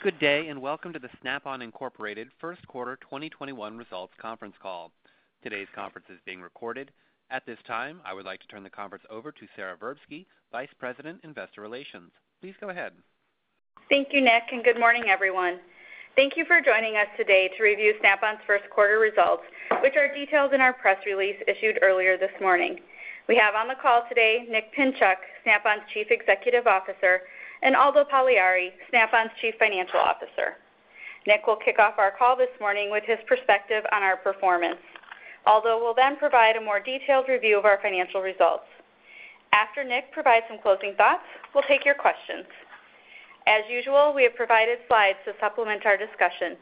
Good day. Welcome to the Snap-on Incorporated First Quarter 2021 Results Conference Call. Today's conference is being recorded. At this time, I would like to turn the conference over to Sara Verbsky, Vice President, Investor Relations. Please go ahead. Thank you, Nick, and good morning, everyone. Thank you for joining us today to review Snap-on's first quarter results, which are detailed in our press release issued earlier this morning. We have on the call today Nick Pinchuk, Snap-on's Chief Executive Officer, and Aldo Pagliari, Snap-on's Chief Financial Officer. Nick will kick off our call this morning with his perspective on our performance. Aldo will provide a more detailed review of our financial results. After Nick provides some closing thoughts, we'll take your questions. As usual, we have provided slides to supplement our discussion.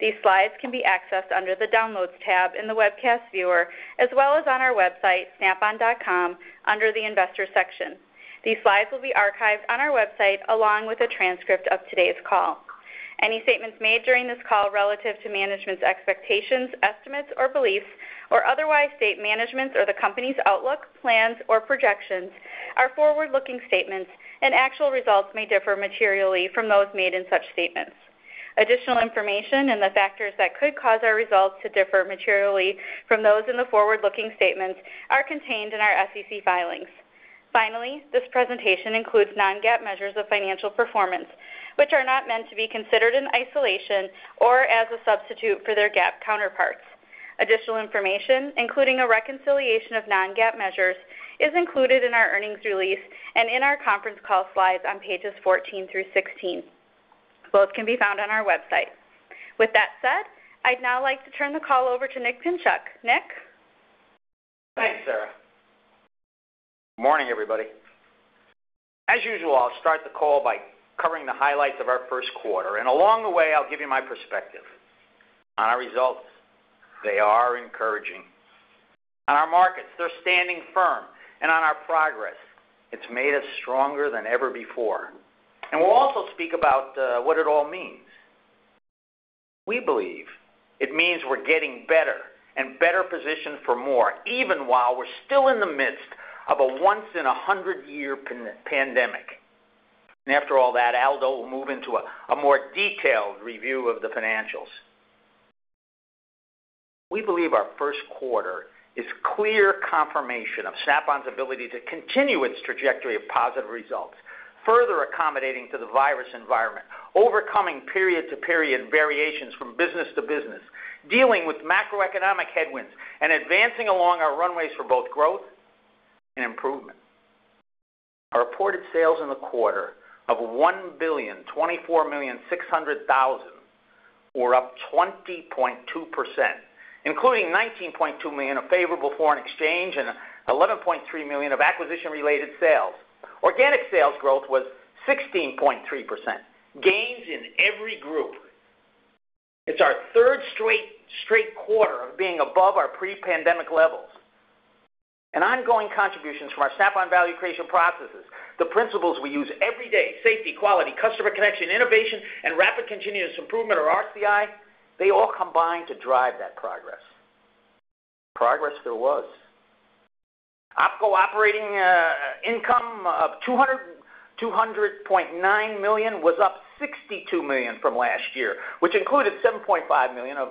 These slides can be accessed under the Downloads tab in the webcast viewer, as well as on our website, snapon.com, under the Investors section. These slides will be archived on our website along with a transcript of today's call. Any statements made during this call relative to management's expectations, estimates, or beliefs, or otherwise state management's or the company's outlook, plans, or projections are forward-looking statements, and actual results may differ materially from those made in such statements. Additional information and the factors that could cause our results to differ materially from those in the forward-looking statements are contained in our SEC filings. Finally, this presentation includes non-GAAP measures of financial performance, which are not meant to be considered in isolation or as a substitute for their GAAP counterparts. Additional information, including a reconciliation of non-GAAP measures, is included in our earnings release and in our conference call slides on pages 14 through 16. Both can be found on our website. With that said, I'd now like to turn the call over to Nick Pinchuk. Nick? Thanks, Sara. Morning, everybody. As usual, I'll start the call by covering the highlights of our first quarter. Along the way, I'll give you my perspective on our results. They are encouraging. On our markets, they're standing firm. On our progress, it's made us stronger than ever before. We'll also speak about what it all means. We believe it means we're getting better and better positioned for more, even while we're still in the midst of a once-in-a-hundred-year pandemic. After all that, Aldo will move into a more detailed review of the financials. We believe our first quarter is clear confirmation of Snap-on's ability to continue its trajectory of positive results, further accommodating to the virus environment, overcoming period-to-period variations from business to business, dealing with macroeconomic headwinds, and advancing along our runways for both growth and improvement. Our reported sales in the quarter of $1,024,600,000 were up 20.2%, including $19.2 million of favorable foreign exchange and $11.3 million of acquisition-related sales. Organic sales growth was 16.3%. Gains in every group. It's our third straight quarter of being above our pre-pandemic levels. Ongoing contributions from our Snap-on value creation processes, the principles we use every day, safety, quality, customer connection, innovation, and rapid continuous improvement, or RCI, they all combine to drive that progress. Progress there was. OpCo operating income of $200.9 million was up $62 million from last year, which included $7.5 million of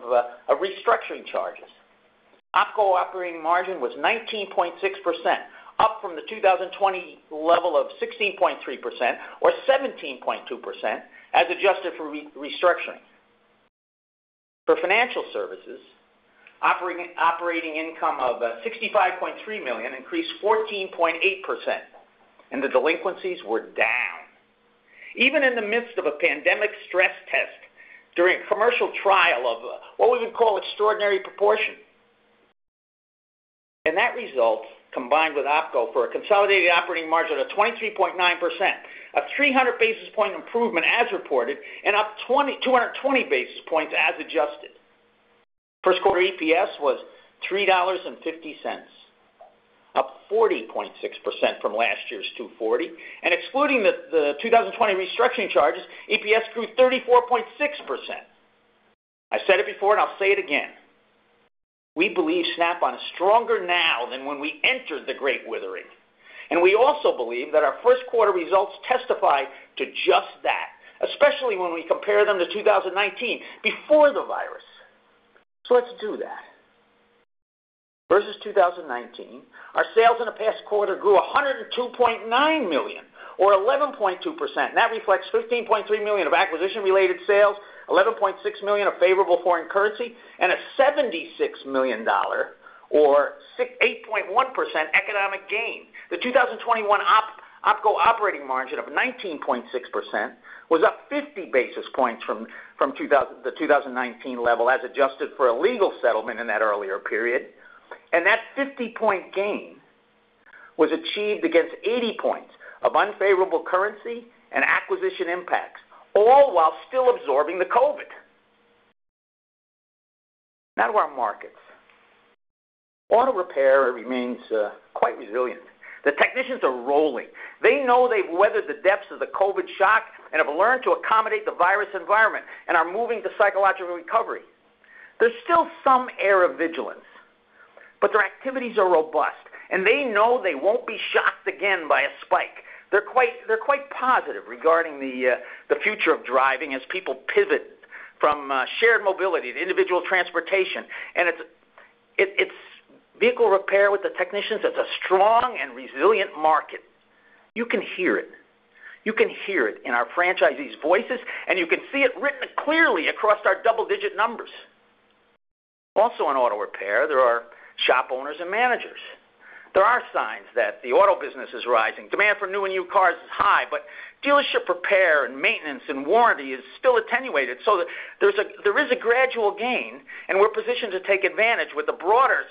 restructuring charges. OpCo operating margin was 19.6%, up from the 2020 level of 16.3%, or 17.2% as adjusted for restructuring. For financial services, operating income of $65.3 million increased 14.8%, the delinquencies were down, even in the midst of a pandemic stress test during a commercial trial of what we would call extraordinary proportion. That result, combined with OpCo for a consolidated operating margin of 23.9%, a 300 basis point improvement as reported and up 220 basis points as adjusted. First quarter EPS was $3.50, up 40.6% from last year's $2.40, and excluding the 2020 restructuring charges, EPS grew 34.6%. I said it before and I'll say it again, we believe Snap-on is stronger now than when we entered the great withering. We also believe that our first quarter results testify to just that, especially when we compare them to 2019, before the virus. Let's do that. Versus 2019, our sales in the past quarter grew $102.9 million, or 11.2%. That reflects $15.3 million of acquisition-related sales, $11.6 million of favorable foreign currency, and a $76 million, or 8.1% economic gain. The 2021 OpCo operating margin of 19.6% was up 50 basis points from the 2019 level as adjusted for a legal settlement in that earlier period. That 50-point gain was achieved against 80 points of unfavorable currency and acquisition impacts, all while still absorbing the COVID. Now to our markets. Auto repair remains quite resilient. The technicians are rolling. They know they've weathered the depths of the COVID shock and have learned to accommodate the virus environment and are moving to psychological recovery. There's still some air of vigilance. Their activities are robust, and they know they won't be shocked again by a spike. They're quite positive regarding the future of driving as people pivot from shared mobility to individual transportation. It's vehicle repair with the technicians, it's a strong and resilient market. You can hear it. You can hear it in our franchisees' voices, and you can see it written clearly across our double-digit numbers. Also in auto repair, there are shop owners and managers. There are signs that the auto business is rising. Demand for new and used cars is high, dealership repair and maintenance and warranty is still attenuated, so there is a gradual gain, and we're positioned to take advantage with the broader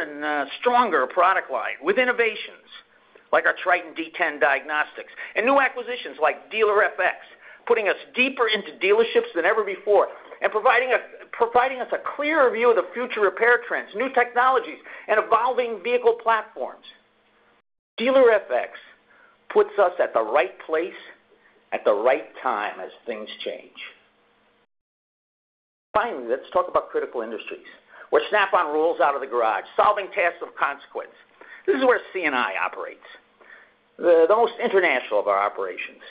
and stronger product line, with innovations like our TRITON-D10 Diagnostics and new acquisitions like Dealer-FX, putting us deeper into dealerships than ever before and providing us a clearer view of the future repair trends, new technologies, and evolving vehicle platforms. Dealer-FX puts us at the right place at the right time as things change. Finally, let's talk about critical industries, where Snap-on rolls out of the garage, solving tasks of consequence. This is where C&I operates, the most international of our operations.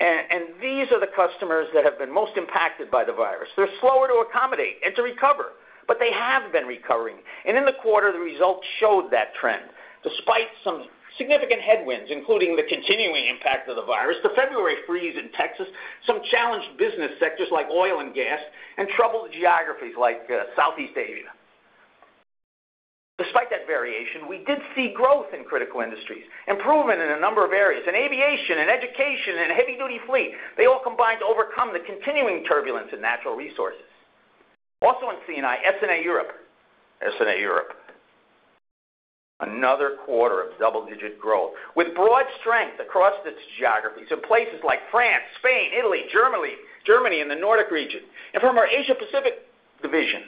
These are the customers that have been most impacted by the virus. They're slower to accommodate and to recover, but they have been recovering. In the quarter, the results showed that trend, despite some significant headwinds, including the continuing impact of the virus, the February freeze in Texas, some challenged business sectors like oil and gas, and troubled geographies like Southeast Asia. Despite that variation, we did see growth in critical industries, improvement in a number of areas. In aviation, in education, in heavy-duty fleet, they all combined to overcome the continuing turbulence in natural resources. In C&I, SNA Europe. SNA Europe, another quarter of double-digit growth with broad strength across its geographies in places like France, Spain, Italy, Germany, and the Nordic region. From our Asia-Pacific division,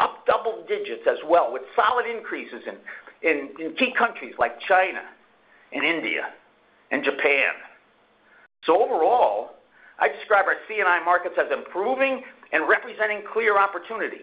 up double digits as well, with solid increases in key countries like China and India and Japan. Overall, I'd describe our C&I markets as improving and representing clear opportunity.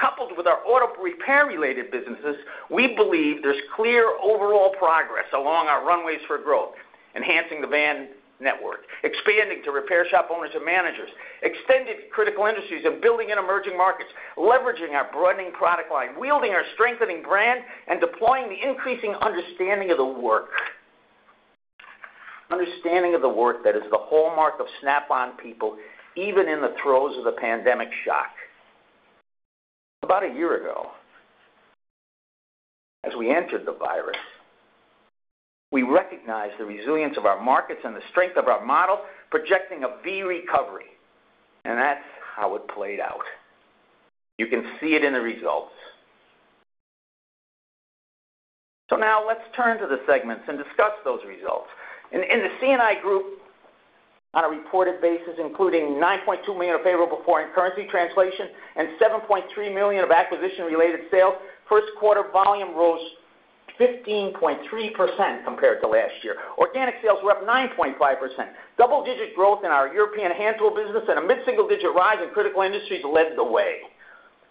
Coupled with our auto repair related businesses, we believe there's clear overall progress along our runways for growth, enhancing the van network, expanding to repair shop owners and managers, extended critical industries and building in emerging markets, leveraging our broadening product line, wielding our strengthening brand, and deploying the increasing understanding of the work. Understanding of the work that is the hallmark of Snap-on people, even in the throes of the pandemic shock. About a year ago, as we entered the virus, we recognized the resilience of our markets and the strength of our model, projecting a V recovery. That's how it played out. You can see it in the results. Now let's turn to the segments and discuss those results. In the C&I group, on a reported basis, including $9.2 million unfavorable foreign currency translation and $7.3 million of acquisition-related sales, first quarter volume rose 15.3% compared to last year. Organic sales were up 9.5%. Double-digit growth in our European hand tool business and a mid-single digit rise in critical industries led the way.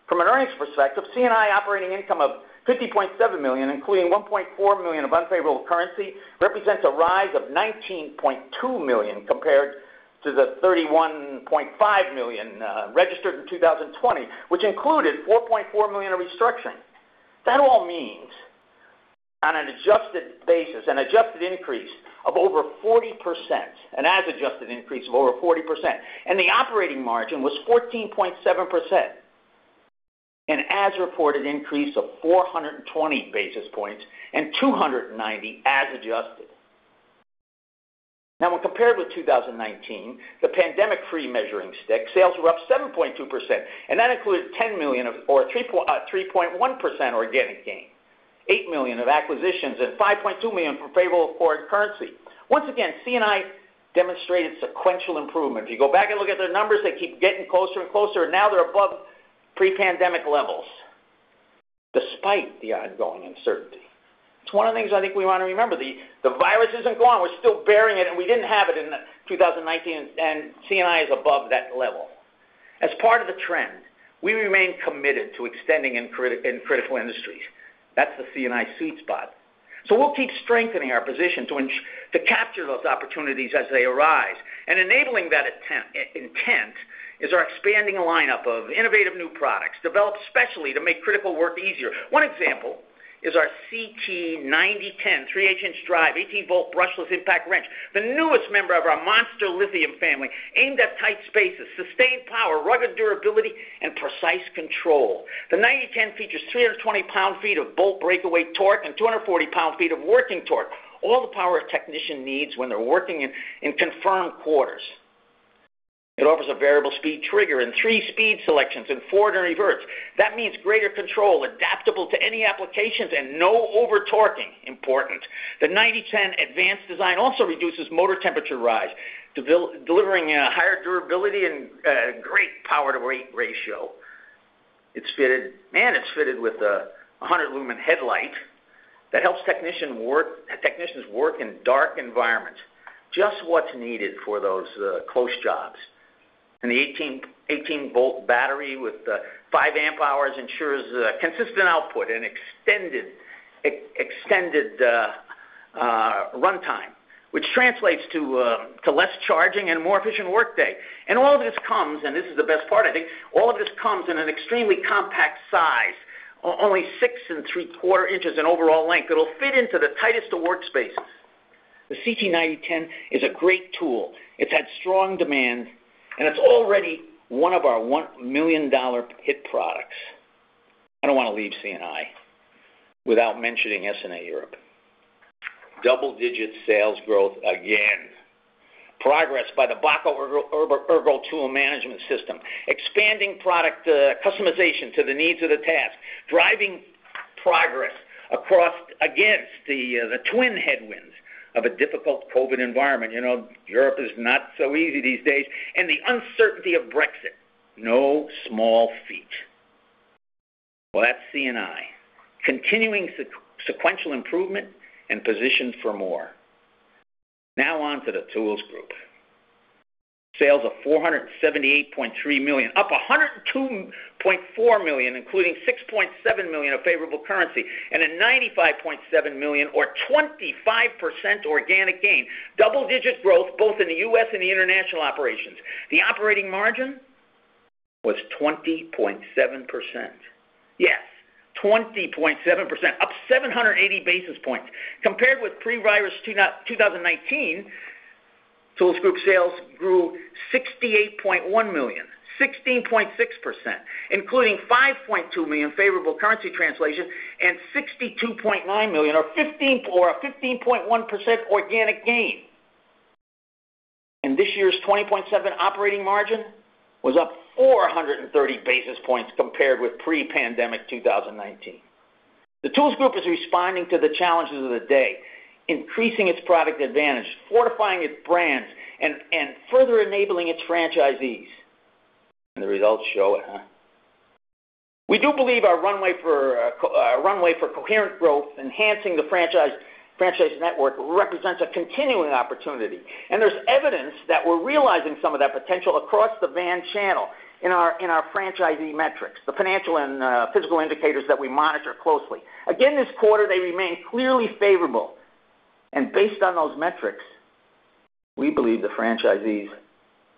From an earnings perspective, C&I operating income of $50.7 million, including $1.4 million of unfavorable currency, represents a rise of $19.2 million compared to the $31.5 million registered in 2020, which included $4.4 million of restructuring. That all means, on an adjusted basis, an adjusted increase of over 40%, an as adjusted increase of over 40%, and the operating margin was 14.7%, an as reported increase of 420 basis points and 290 as adjusted. Now, when compared with 2019, the pandemic-free measuring stick, sales were up 7.2%, and that included $10 million or 3.1% organic gain, $8 million of acquisitions, and $5.2 million from favorable foreign currency. Once again, C&I demonstrated sequential improvement. If you go back and look at the numbers, they keep getting closer and closer, and now they're above pre-pandemic levels despite the ongoing uncertainty. It's one of the things I think we want to remember. The virus isn't gone. We're still bearing it, and we didn't have it in 2019, and C&I is above that level. As part of the trend, we remain committed to extending in critical industries. That's the C&I sweet spot. We'll keep strengthening our position to capture those opportunities as they arise. Enabling that intent is our expanding lineup of innovative new products developed specially to make critical work easier. One example is our CT9010 3/8-inch drive, 18V brushless impact wrench, the newest member of our MonsterLithium family, aimed at tight spaces, sustained power, rugged durability, and precise control. The 9010 features 320 pound-feet of bolt breakaway torque and 240 pound-feet of working torque, all the power a technician needs when they're working in confirmed quarters. It offers a variable speed trigger and 3 speed selections in forward and reverse. That means greater control, adaptable to any applications, and no over-torquing. Important. The 9010 advanced design also reduces motor temperature rise, delivering a higher durability and great power-to-weight ratio. It's fitted with a 100 lumen headlight that helps technicians work in dark environments. Just what's needed for those close jobs. The 18-volt battery with the five amp hours ensures consistent output and extended runtime, which translates to less charging and a more efficient workday. All of this comes, and this is the best part, I think, all of this comes in an extremely compact size, only six and three-quarter inches in overall length that'll fit into the tightest of workspaces. The CT9010 is a great tool. It's had strong demand, and it's already one of our $1 million hit products. I don't want to leave C&I without mentioning SNA Europe. Double-digit sales growth again. Progress by the Bahco Ergo Tool Management system, expanding product customization to the needs of the task, driving progress across against the twin headwinds of a difficult COVID environment. Europe is not so easy these days. The uncertainty of Brexit, no small feat. That's C&I, continuing sequential improvement and positioned for more. On to the Tools Group. Sales of $478.3 million, up $102.4 million, including $6.7 million of favorable currency, and a $95.7 million or 25% organic gain. Double-digit growth both in the U.S. and the international operations. The operating margin was 20.7%. Yes, 20.7%, up 780 basis points. Compared with pre-virus 2019, Tools Group sales grew $68.1 million, 16.6%, including $5.2 million favorable currency translation and $62.9 million or 15.1% organic gain. This year's 20.7 operating margin was up 430 basis points compared with pre-pandemic 2019. The Tools Group is responding to the challenges of the day, increasing its product advantage, fortifying its brands, and further enabling its franchisees. The results show it. We do believe our runway for coherent growth, enhancing the franchise network represents a continuing opportunity. There's evidence that we're realizing some of that potential across the van channel in our franchisee metrics, the financial and physical indicators that we monitor closely. Again, this quarter, they remain clearly favorable. Based on those metrics, we believe the franchisees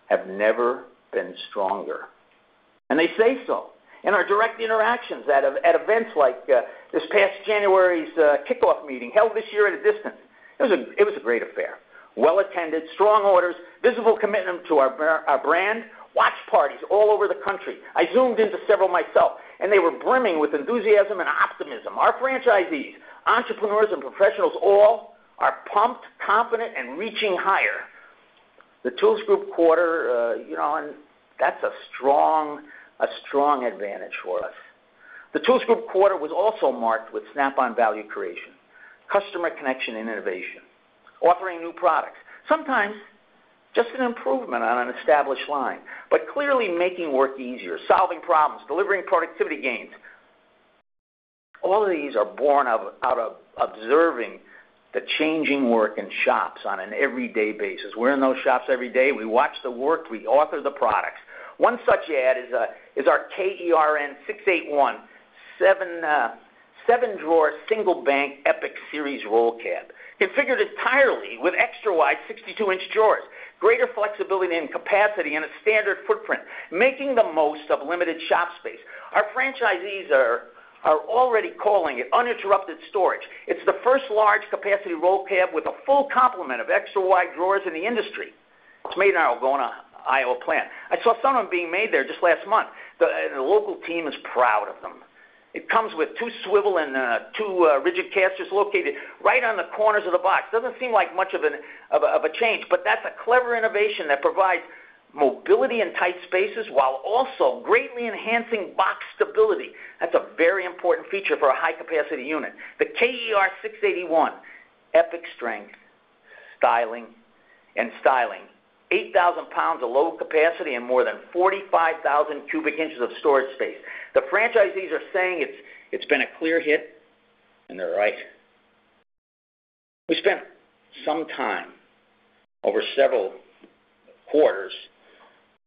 have never been stronger. They say so in our direct interactions at events like this past January's kickoff meeting held this year at a distance. It was a great affair. Well-attended, strong orders, visible commitment to our brand, watch parties all over the country. I Zoomed into several myself, and they were brimming with enthusiasm and optimism. Our franchisees, entrepreneurs, and professionals all are pumped, confident, and reaching higher. The Tools Group quarter, and that's a strong advantage for us. The Tools Group quarter was also marked with Snap-on value creation, customer connection, and innovation, offering new products, sometimes just an improvement on an established line, but clearly making work easier, solving problems, delivering productivity gains. All of these are born out of observing the changing work in shops on an everyday basis. We're in those shops every day. We watch the work. We author the products. One such add is our KERN681 seven-drawer single bank EPIQ series roll cab. Configured entirely with extra-wide 62-inch drawers, greater flexibility and capacity in a standard footprint, making the most of limited shop space. Our franchisees are already calling it uninterrupted storage. It's the first large capacity roll cab with a full complement of extra-wide drawers in the industry. It's made in our Algona, Iowa plant. I saw some of them being made there just last month. The local team is proud of them. It comes with two swivel and two rigid casters located right on the corners of the box. That's a clever innovation that provides mobility in tight spaces while also greatly enhancing box stability. That's a very important feature for a high-capacity unit. The KERN681, Epic strength, and styling, 8,000 pounds of load capacity, and more than 45,000 cubic inches of storage space. The franchisees are saying it's been a clear hit, they're right. We spent some time over several quarters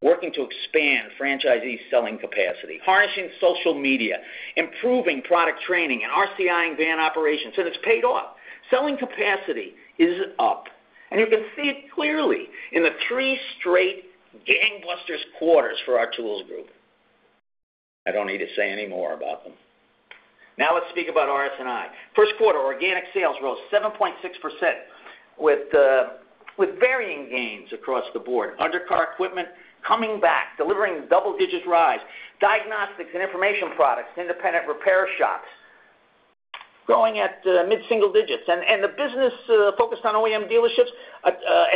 working to expand franchisees' selling capacity, harnessing social media, improving product training in RCI and van operations, it's paid off. Selling capacity is up, you can see it clearly in the three straight gangbusters quarters for our Tools Group. I don't need to say any more about them. Let's speak about RS&I. First quarter organic sales rose 7.6% with varying gains across the board. Under-car equipment coming back, delivering double-digit rise. Diagnostics and information products, independent repair shops growing at mid-single digits. The business focused on OEM dealerships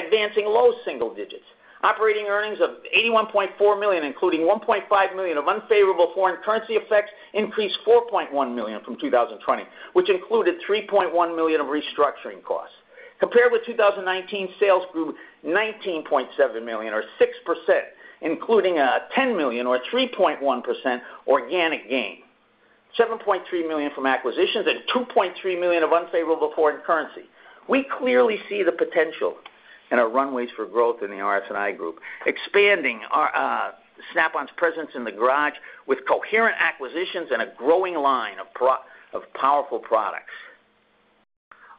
advancing low single digits. Operating earnings of $81.4 million, including $1.5 million of unfavorable foreign currency effects, increased $4.1 million from 2020, which included $3.1 million of restructuring costs. Compared with 2019, sales grew $19.7 million or 6%, including a $10 million or 3.1% organic gain. $7.3 million from acquisitions and $2.3 million of unfavorable foreign currency. We clearly see the potential in our runways for growth in the RS&I Group, expanding Snap-on's presence in the garage with coherent acquisitions and a growing line of powerful products.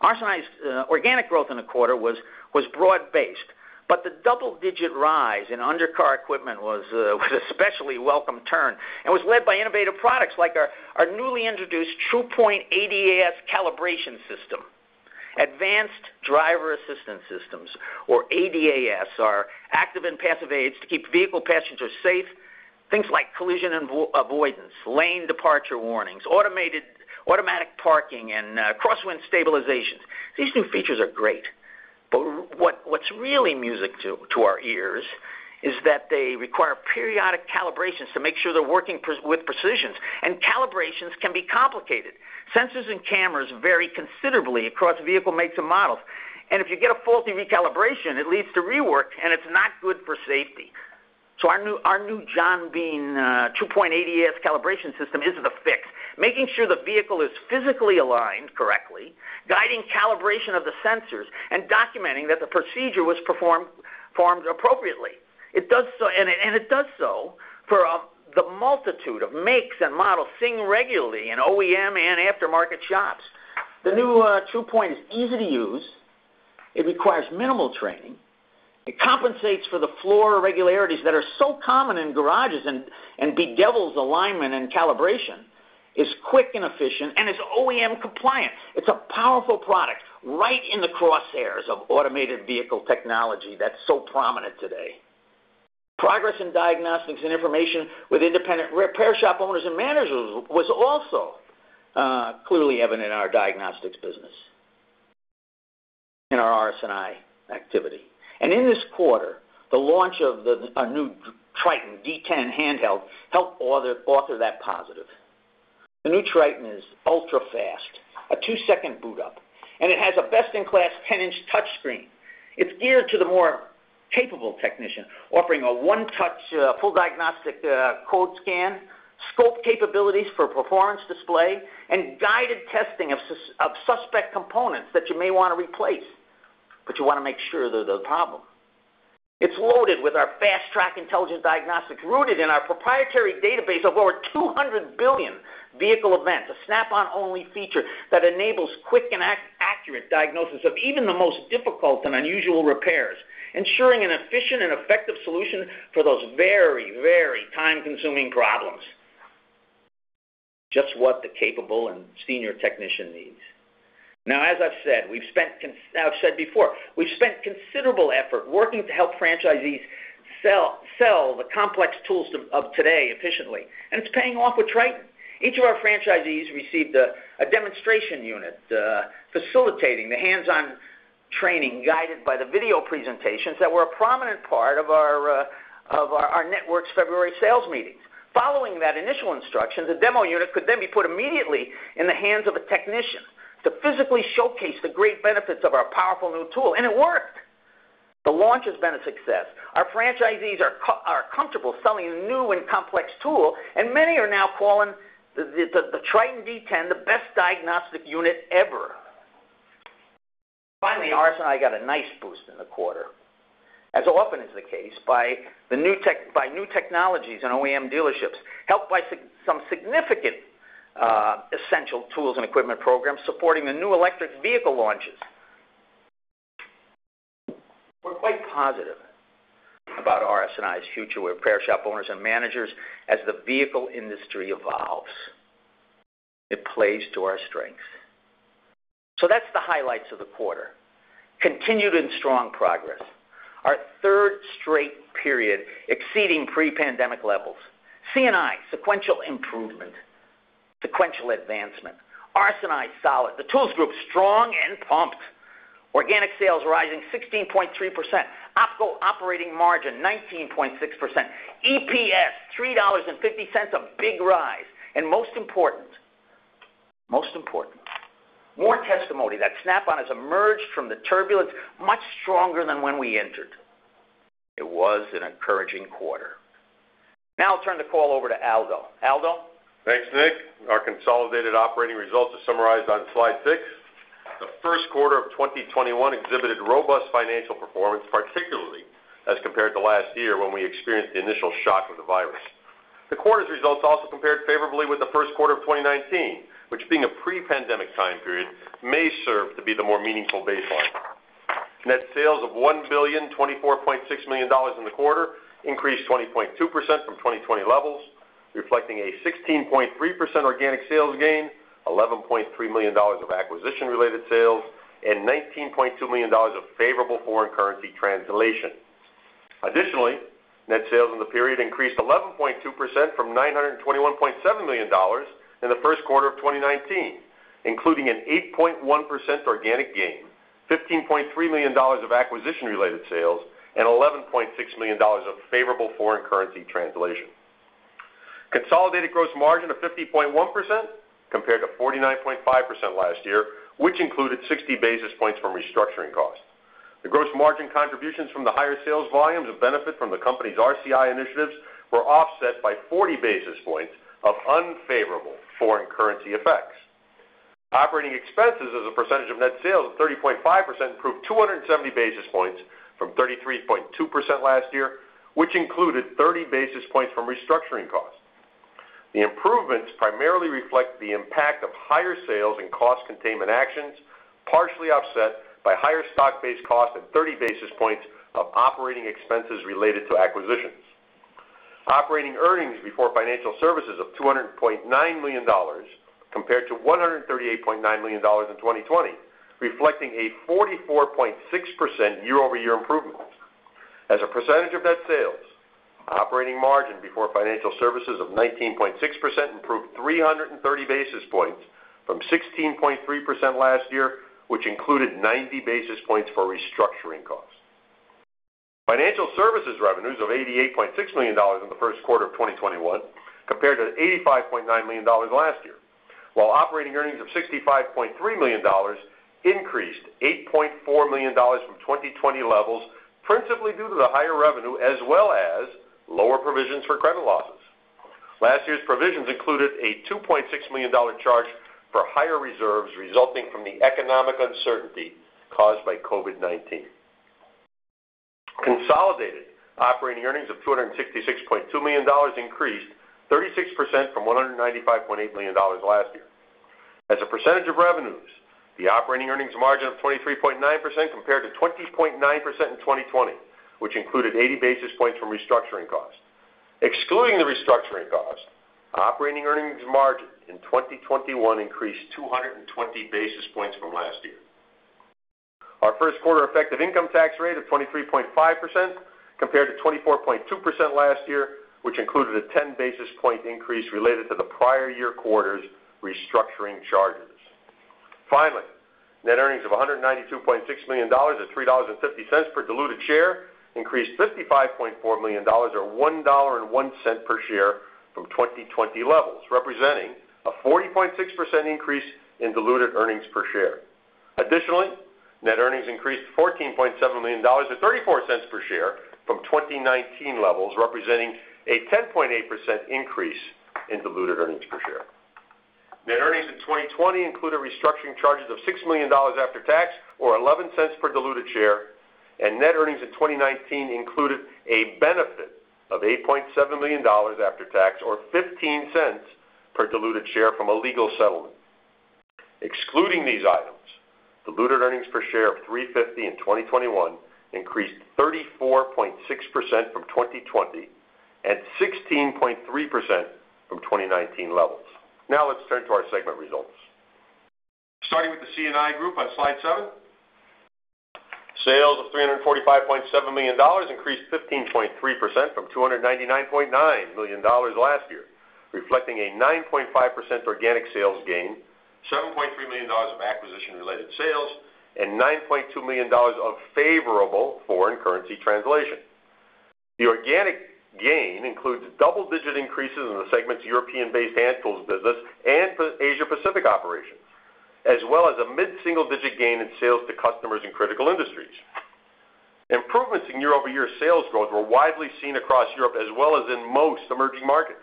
RS&I's organic growth in the quarter was broad-based, but the double-digit rise in under-car equipment was an especially welcome turn and was led by innovative products like our newly introduced Tru-Point ADAS calibration system. Advanced driver assistance systems, or ADAS, are active and passive aids to keep vehicle passengers safe. Things like collision avoidance, lane departure warnings, automatic parking, and crosswind stabilization. These new features are great, but what's really music to our ears is that they require periodic calibrations to make sure they're working with precision. Calibrations can be complicated. Sensors and cameras vary considerably across vehicle makes and models, and if you get a faulty recalibration, it leads to rework, and it's not good for safety. Our new John Bean Tru-Point ADAS calibration system is the fix, making sure the vehicle is physically aligned correctly, guiding calibration of the sensors, and documenting that the procedure was performed appropriately. It does so for the multitude of makes and models seen regularly in OEM and aftermarket shops. The new Tru-Point is easy to use. It requires minimal training. It compensates for the floor irregularities that are so common in garages and bedevils alignment and calibration, is quick and efficient, and is OEM compliant. It's a powerful product right in the crosshairs of automated vehicle technology that's so prominent today. Progress in diagnostics and information with independent repair shop owners and managers was also clearly evident in our diagnostics business, in our RS&I activity. In this quarter, the launch of the new TRITON-D10 handheld helped author that positive. The new Triton is ultra-fast, a two-second boot up, and it has a best-in-class 10-inch touchscreen. It's geared to the more capable technician, offering a one-touch full diagnostic code scan, scope capabilities for performance display, and guided testing of suspect components that you may want to replace, but you want to make sure they're the problem. It's loaded with our Fast-Track Intelligence Diagnostics, rooted in our proprietary database of over 200 billion vehicle events, a Snap-on-only feature that enables quick and accurate diagnosis of even the most difficult and unusual repairs, ensuring an efficient and effective solution for those very time-consuming problems. Just what the capable and senior technician needs. Now, as I've said before, we've spent considerable effort working to help franchisees sell the complex tools of today efficiently, and it's paying off with TRITON. Each of our franchisees received a demonstration unit, facilitating the hands-on training guided by the video presentations that were a prominent part of our network's February sales meetings. Following that initial instruction, the demo unit could then be put immediately in the hands of a technician to physically showcase the great benefits of our powerful new tool, and it worked. The launch has been a success. Our franchisees are comfortable selling a new and complex tool, and many are now calling the TRITON-D10 the best diagnostic unit ever. Finally, RS&I got a nice boost in the quarter, as often is the case, by new technologies and OEM dealerships, helped by some significant essential tools and equipment programs supporting the new electric vehicle launches. We're quite positive about RS&I's future with repair shop owners and managers as the vehicle industry evolves. It plays to our strengths. That's the highlights of the quarter. Continued and strong progress, our third straight period exceeding pre-pandemic levels. C&I, sequential improvement, sequential advancement. RS&I, solid. The tools group, strong and pumped. Organic sales rising 16.3%. OpCo operating margin, 19.6%. EPS, $3.50, a big rise. Most important, more testimony that Snap-on has emerged from the turbulence much stronger than when we entered. It was an encouraging quarter. I'll turn the call over to Aldo. Aldo? Thanks, Nick. Our consolidated operating results are summarized on slide six. The first quarter of 2021 exhibited robust financial performance, particularly as compared to last year when we experienced the initial shock of the virus. The quarter's results also compared favorably with the first quarter of 2019, which being a pre-pandemic time period, may serve to be the more meaningful baseline. Net sales of $1,024.6 million in the quarter increased 20.2% from 2020 levels, reflecting a 16.3% organic sales gain, $11.3 million of acquisition-related sales, and $19.2 million of favorable foreign currency translation. Net sales in the period increased 11.2% from $921.7 million in the first quarter of 2019, including an 8.1% organic gain, $15.3 million of acquisition-related sales, and $11.6 million of favorable foreign currency translation. Consolidated gross margin of 50.1% compared to 49.5% last year, which included 60 basis points from restructuring costs. The gross margin contributions from the higher sales volumes of benefit from the company's RCI initiatives were offset by 40 basis points of unfavorable foreign currency effects. Operating expenses as a percentage of net sales of 30.5% improved 270 basis points from 33.2% last year, which included 30 basis points from restructuring costs. The improvements primarily reflect the impact of higher sales and cost containment actions, partially offset by higher stock-based costs and 30 basis points of operating expenses related to acquisitions. Operating earnings before financial services of $200.9 million compared to $138.9 million in 2020, reflecting a 44.6% year-over-year improvement. As a percentage of net sales, operating margin before financial services of 19.6% improved 330 basis points from 16.3% last year, which included 90 basis points for restructuring costs. Financial services revenues of $88.6 million in the first quarter of 2021 compared to $85.9 million last year. While operating earnings of $65.3 million increased $8.4 million from 2020 levels, principally due to the higher revenue, as well as lower provisions for credit losses. Last year's provisions included a $2.6 million charge for higher reserves resulting from the economic uncertainty caused by COVID-19. Consolidated operating earnings of $266.2 million increased 36% from $195.8 million last year. As a percentage of revenues, the operating earnings margin of 23.9% compared to 20.9% in 2020, which included 80 basis points from restructuring costs. Excluding the restructuring cost, operating earnings margin in 2021 increased 220 basis points from last year. Our first quarter effective income tax rate of 23.5% compared to 24.2% last year, which included a 10 basis point increase related to the prior year quarter's restructuring charges. Net earnings of $192.6 million, or $3.50 per diluted share, increased $55.4 million, or $1.01 per share from 2020 levels, representing a 40.6% increase in diluted earnings per share. Net earnings increased to $14.7 million, or $0.34 per share from 2019 levels, representing a 10.8% increase in diluted earnings per share. Net earnings in 2020 included restructuring charges of $6 million after tax, or $0.11 per diluted share. Net earnings in 2019 included a benefit of $8.7 million after tax, or $0.15 per diluted share from a legal settlement. Excluding these items, diluted earnings per share of $3.50 in 2021 increased 34.6% from 2020 and 16.3% from 2019 levels. Let's turn to our segment results. Starting with the C&I Group on slide seven. Sales of $345.7 million increased 15.3% from $299.9 million last year, reflecting a 9.5% organic sales gain, $7.3 million of acquisition-related sales, and $9.2 million of favorable foreign currency translation. The organic gain includes double-digit increases in the segment's European-based hand tools business and Asia Pacific operations, as well as a mid-single-digit gain in sales to customers in critical industries. Improvements in year-over-year sales growth were widely seen across Europe as well as in most emerging markets.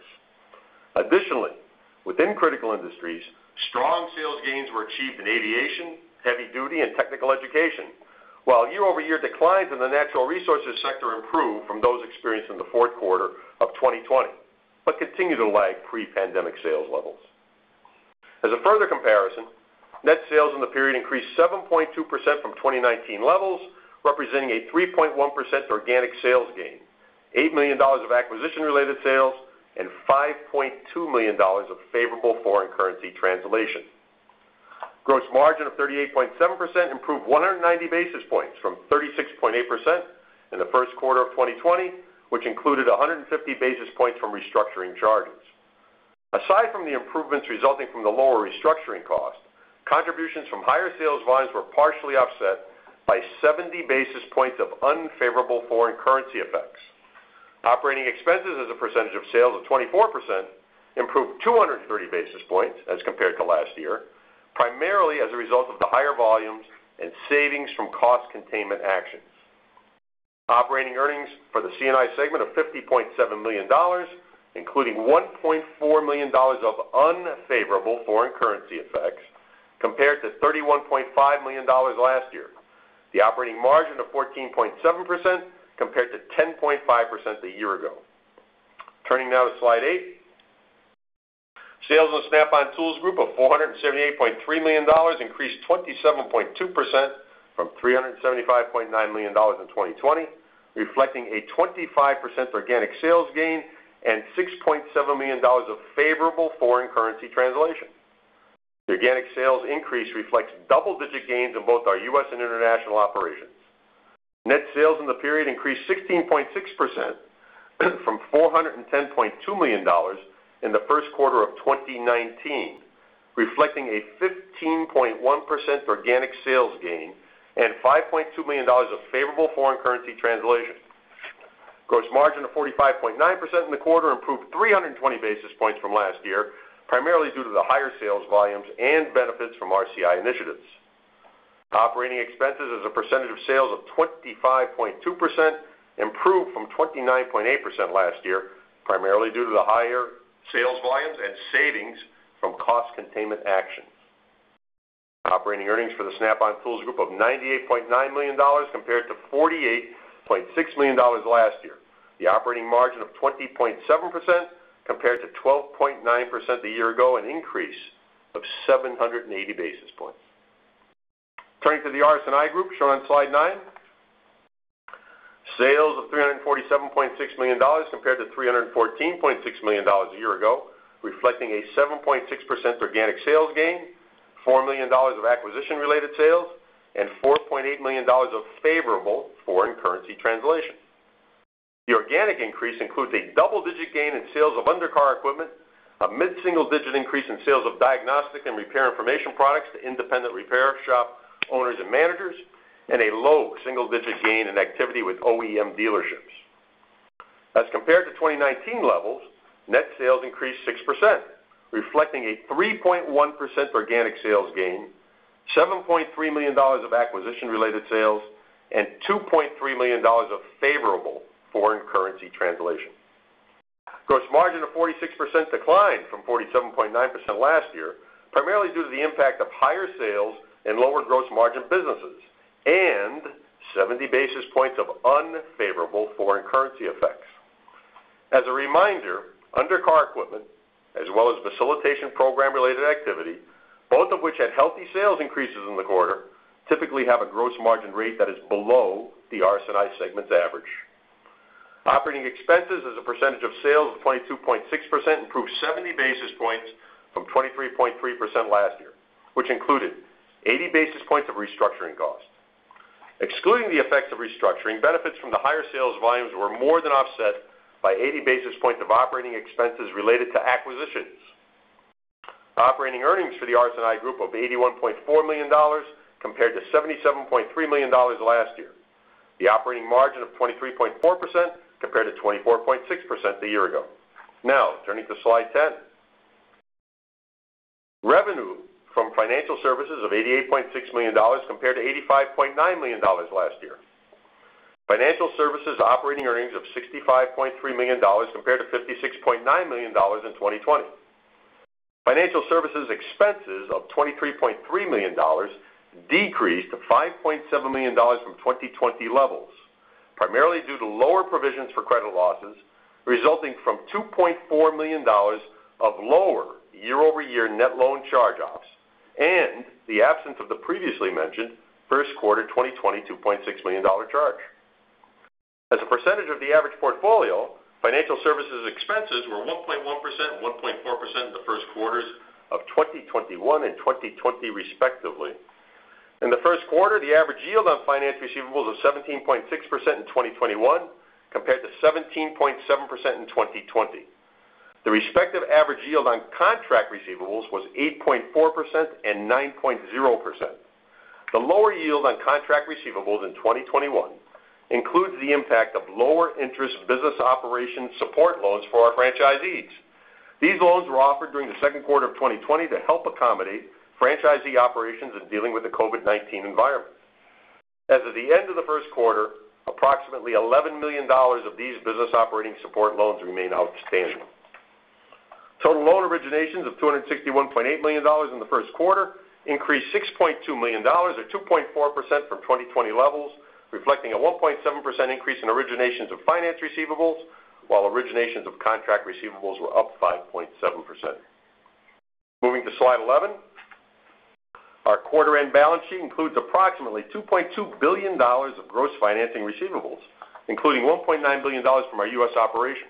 Within critical industries, strong sales gains were achieved in aviation, heavy duty, and technical education. While year-over-year declines in the natural resources sector improved from those experienced in the fourth quarter of 2020, but continue to lag pre-pandemic sales levels. As a further comparison, net sales in the period increased 7.2% from 2019 levels, representing a 3.1% organic sales gain, $8 million of acquisition-related sales, and $5.2 million of favorable foreign currency translation. Gross margin of 38.7% improved 190 basis points from 36.8% in the first quarter of 2020, which included 150 basis points from restructuring charges. Aside from the improvements resulting from the lower restructuring cost, contributions from higher sales volumes were partially offset by 70 basis points of unfavorable foreign currency effects. Operating expenses as a percentage of sales of 24% improved 230 basis points as compared to last year, primarily as a result of the higher volumes and savings from cost containment actions. Operating earnings for the C&I segment of $50.7 million, including $1.4 million of unfavorable foreign currency effects, compared to $31.5 million last year. The operating margin of 14.7% compared to 10.5% a year ago. Turning now to slide eight. Sales in Snap-on Tools Group of $478.3 million increased 27.2% from $375.9 million in 2020, reflecting a 25% organic sales gain and $6.7 million of favorable foreign currency translation. The organic sales increase reflects double-digit gains in both our U.S. and international operations. Net sales in the period increased 16.6% from $410.2 million in the first quarter of 2019, reflecting a 15.1% organic sales gain and $5.2 million of favorable foreign currency translation. Gross margin of 45.9% in the quarter improved 320 basis points from last year, primarily due to the higher sales volumes and benefits from RCI initiatives. Operating expenses as a percentage of sales of 25.2% improved from 29.8% last year, primarily due to the higher sales volumes and savings from cost containment action. Operating earnings for the Snap-on Tools Group of $98.9 million compared to $48.6 million last year. The operating margin of 20.7% compared to 12.9% a year ago, an increase of 780 basis points. Turning to the RS&I Group, shown on slide nine. Sales of $347.6 million compared to $314.6 million a year ago, reflecting a 7.6% organic sales gain, $4 million of acquisition-related sales, and $4.8 million of favorable foreign currency translation. The organic increase includes a double-digit gain in sales of undercar equipment, a mid-single-digit increase in sales of diagnostic and repair information products to independent repair shop owners and managers, and a low single-digit gain in activity with OEM dealerships. As compared to 2019 levels, net sales increased 6%, reflecting a 3.1% organic sales gain, $7.3 million of acquisition-related sales, and $2.3 million of favorable foreign currency translation. Gross margin of 46% declined from 47.9% last year, primarily due to the impact of higher sales in lower gross margin businesses and 70 basis points of unfavorable foreign currency effects. As a reminder, undercar equipment, as well as facilitation program-related activity, both of which had healthy sales increases in the quarter, typically have a gross margin rate that is below the RCI segment's average. Operating expenses as a percentage of sales of 22.6% improved 70 basis points from 23.3% last year, which included 80 basis points of restructuring costs. Excluding the effects of restructuring, benefits from the higher sales volumes were more than offset by 80 basis points of operating expenses related to acquisitions. Operating earnings for the RS&I Group of $81.4 million compared to $77.3 million last year. The operating margin of 23.4% compared to 24.6% a year ago. Now, turning to slide 10. Revenue from financial services of $88.6 million compared to $85.9 million last year. Financial services operating earnings of $65.3 million compared to $56.9 million in 2020. Financial services expenses of $23.3 million decreased to $5.7 million from 2020 levels, primarily due to lower provisions for credit losses resulting from $2.4 million of lower year-over-year net loan charge-offs and the absence of the previously mentioned first quarter 2020 $2.6 million charge. As a percentage of the average portfolio, financial services expenses were 1.1% and 1.4% in the first quarters of 2021 and 2020 respectively. In the first quarter, the average yield on finance receivables was 17.6% in 2021, compared to 17.7% in 2020. The respective average yield on contract receivables was 8.4% and 9.0%. The lower yield on contract receivables in 2021 includes the impact of lower interest business operation support loans for our franchisees. These loans were offered during the second quarter of 2020 to help accommodate franchisee operations in dealing with the COVID-19 environment. As of the end of the first quarter, approximately $11 million of these business operating support loans remain outstanding. Total loan originations of $261.8 million in the first quarter increased $6.2 million, or 2.4% from 2020 levels, reflecting a 1.7% increase in originations of finance receivables, while originations of contract receivables were up 5.7%. Moving to slide 11. Our quarter-end balance sheet includes approximately $2.2 billion of gross financing receivables, including $1.9 billion from our U.S. operation.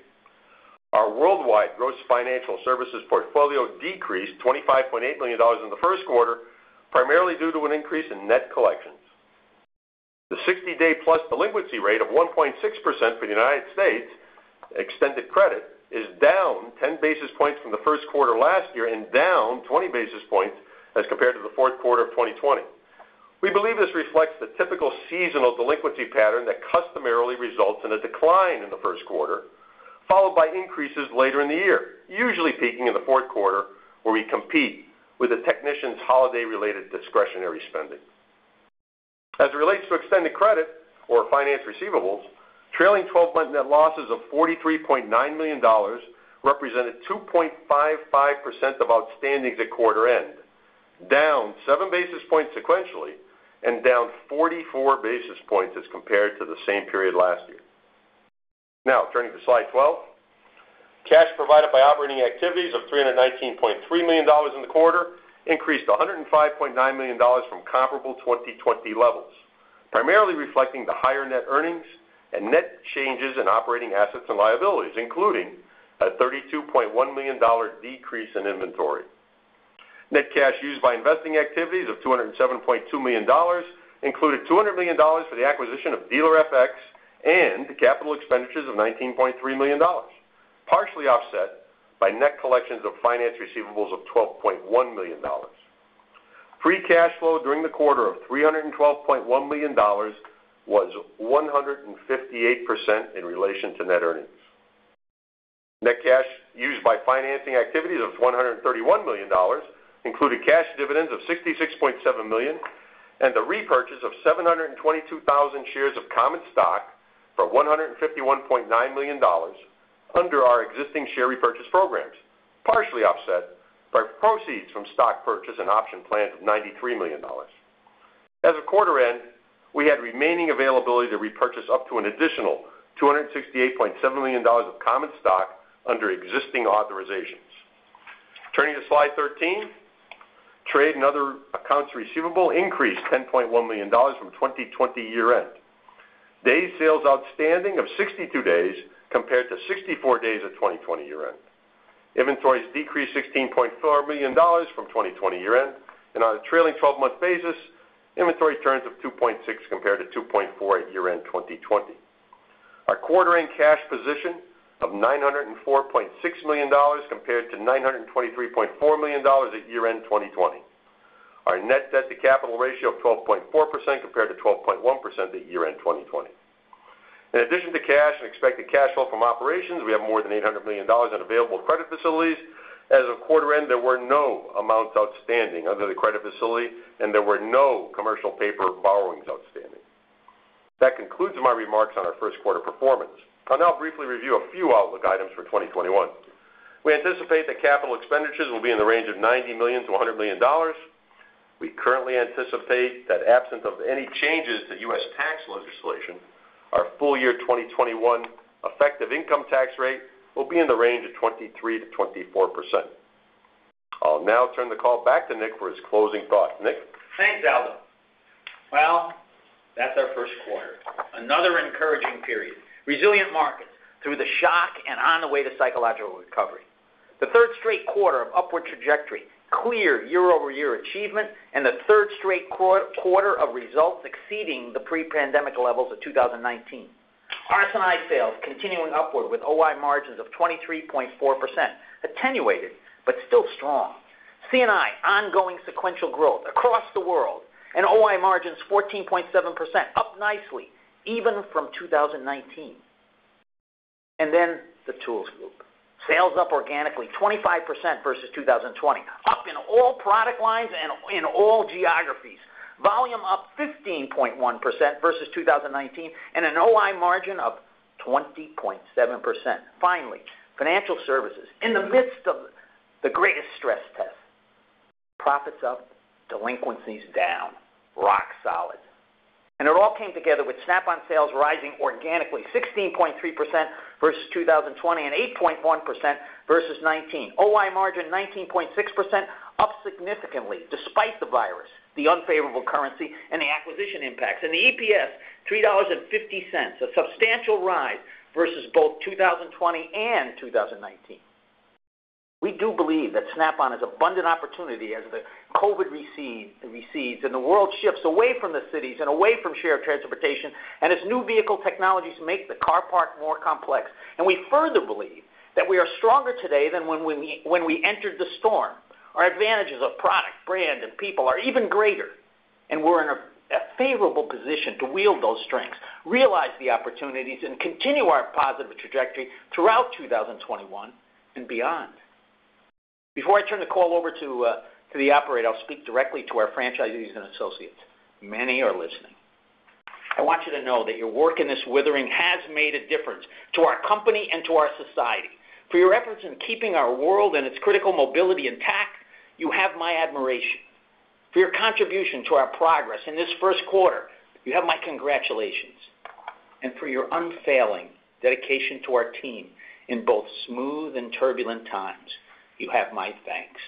Our worldwide gross financial services portfolio decreased $25.8 million in the first quarter, primarily due to an increase in net collections. The 60-day-plus delinquency rate of 1.6% for U.S. extended credit is down 10 basis points from the first quarter last year and down 20 basis points as compared to the fourth quarter of 2020. We believe this reflects the typical seasonal delinquency pattern that customarily results in a decline in the first quarter, followed by increases later in the year, usually peaking in the fourth quarter where we compete with the technicians' holiday-related discretionary spending. As it relates to extended credit or finance receivables, trailing 12-month net losses of $43.9 million represented 2.55% of outstanding at quarter end, down seven basis points sequentially and down 44 basis points as compared to the same period last year. Turning to slide 12. Cash provided by operating activities of $319.3 million in the quarter increased $105.9 million from comparable 2020 levels, primarily reflecting the higher net earnings and net changes in operating assets and liabilities, including a $32.1 million decrease in inventory. Net cash used by investing activities of $207.2 million included $200 million for the acquisition of Dealer-FX and capital expenditures of $19.3 million, partially offset by net collections of finance receivables of $12.1 million. Free cash flow during the quarter of $312.1 million was 158% in relation to net earnings. Net cash used by financing activities of $131 million included cash dividends of $66.7 million and the repurchase of 722,000 shares of common stock for $151.9 million under our existing share repurchase programs, partially offset by proceeds from stock purchase and option plans of $93 million. As of quarter-end, we had remaining availability to repurchase up to an additional $268.7 million of common stock under existing authorizations. Turning to Slide 13, trade and other accounts receivable increased $10.1 million from 2020 year-end. Days sales outstanding of 62 days compared to 64 days at 2020 year-end. Inventories decreased $16.4 million from 2020 year-end, and on a trailing 12-month basis, inventory turns of 2.6 compared to 2.4 at year-end 2020. Our quarter-end cash position of $904.6 million compared to $923.4 million at year-end 2020. Our net debt to capital ratio of 12.4% compared to 12.1% at year-end 2020. In addition to cash and expected cash flow from operations, we have more than $800 million in available credit facilities. As of quarter-end, there were no amounts outstanding under the credit facility, and there were no commercial paper borrowings outstanding. That concludes my remarks on our first quarter performance. I'll now briefly review a few outlook items for 2021. We anticipate that capital expenditures will be in the range of $90 million-$100 million. We currently anticipate that absent of any changes to U.S. tax legislation, our full year 2021 effective income tax rate will be in the range of 23%-24%. I'll now turn the call back to Nick for his closing thought. Nick? Thanks, Aldo. That's our first quarter. Another encouraging period. Resilient markets through the shock and on the way to psychological recovery. The third straight quarter of upward trajectory, clear year-over-year achievement, and the third straight quarter of results exceeding the pre-pandemic levels of 2019. RS&I sales continuing upward with OI margins of 23.4%, attenuated, but still strong. C&I, ongoing sequential growth across the world, OI margins 14.7%, up nicely, even from 2019. The tools group. Sales up organically 25% versus 2020, up in all product lines and in all geographies. Volume up 15.1% versus 2019, an OI margin up 20.7%. Finally, financial services. In the midst of the greatest stress test, profits up, delinquencies down, rock solid. It all came together with Snap-on sales rising organically 16.3% versus 2020 and 8.1% versus 2019. OI margin 19.6%, up significantly despite the virus, the unfavorable currency, and the acquisition impacts. The EPS, $3.50, a substantial rise versus both 2020 and 2019. We do believe that Snap-on has abundant opportunity as the COVID recedes, and the world shifts away from the cities and away from shared transportation, and as new vehicle technologies make the car park more complex. We further believe that we are stronger today than when we entered the storm. Our advantages of product, brand, and people are even greater, and we're in a favorable position to wield those strengths, realize the opportunities, and continue our positive trajectory throughout 2021 and beyond. Before I turn the call over to the operator, I'll speak directly to our franchisees and associates. Many are listening. I want you to know that your work in this weathering has made a difference to our company and to our society. For your efforts in keeping our world and its critical mobility intact, you have my admiration. For your contribution to our progress in this first quarter, you have my congratulations. For your unfailing dedication to our team in both smooth and turbulent times, you have my thanks.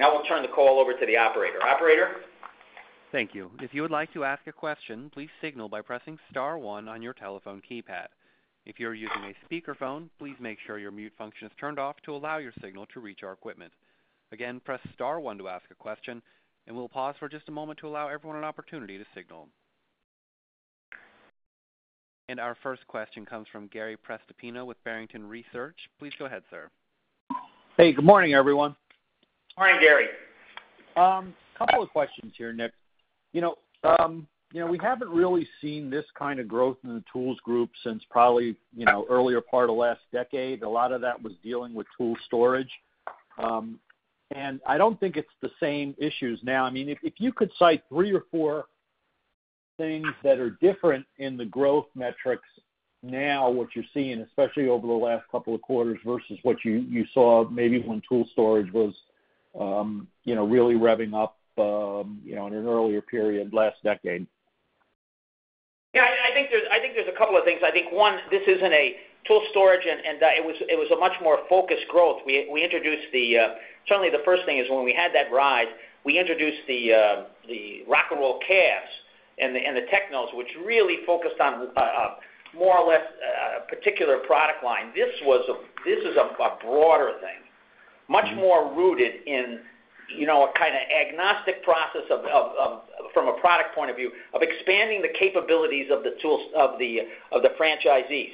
Now I'll turn the call over to the operator. Operator? Thank you. Our first question comes from Gary Prestopino with Barrington Research. Please go ahead, sir. Hey, good morning, everyone. Morning, Gary. Couple of questions here, Nick. We haven't really seen this kind of growth in the Tools Group since probably earlier part of last decade. A lot of that was dealing with tool storage. I don't think it's the same issues now. If you could cite three or four things that are different in the growth metrics now, what you're seeing, especially over the last couple of quarters versus what you saw maybe when tool storage was really revving up in an earlier period last decade. Yeah, I think there's a couple of things. I think, one, this isn't a tool storage. It was a much more focused growth. Certainly, the first thing is when we had that rise, we introduced the Rock 'N Roll Cabs and the TechKnows, which really focused on more or less a particular product line. This is a broader thing, much more rooted in a kind of agnostic process from a product point of view of expanding the capabilities of the franchisees.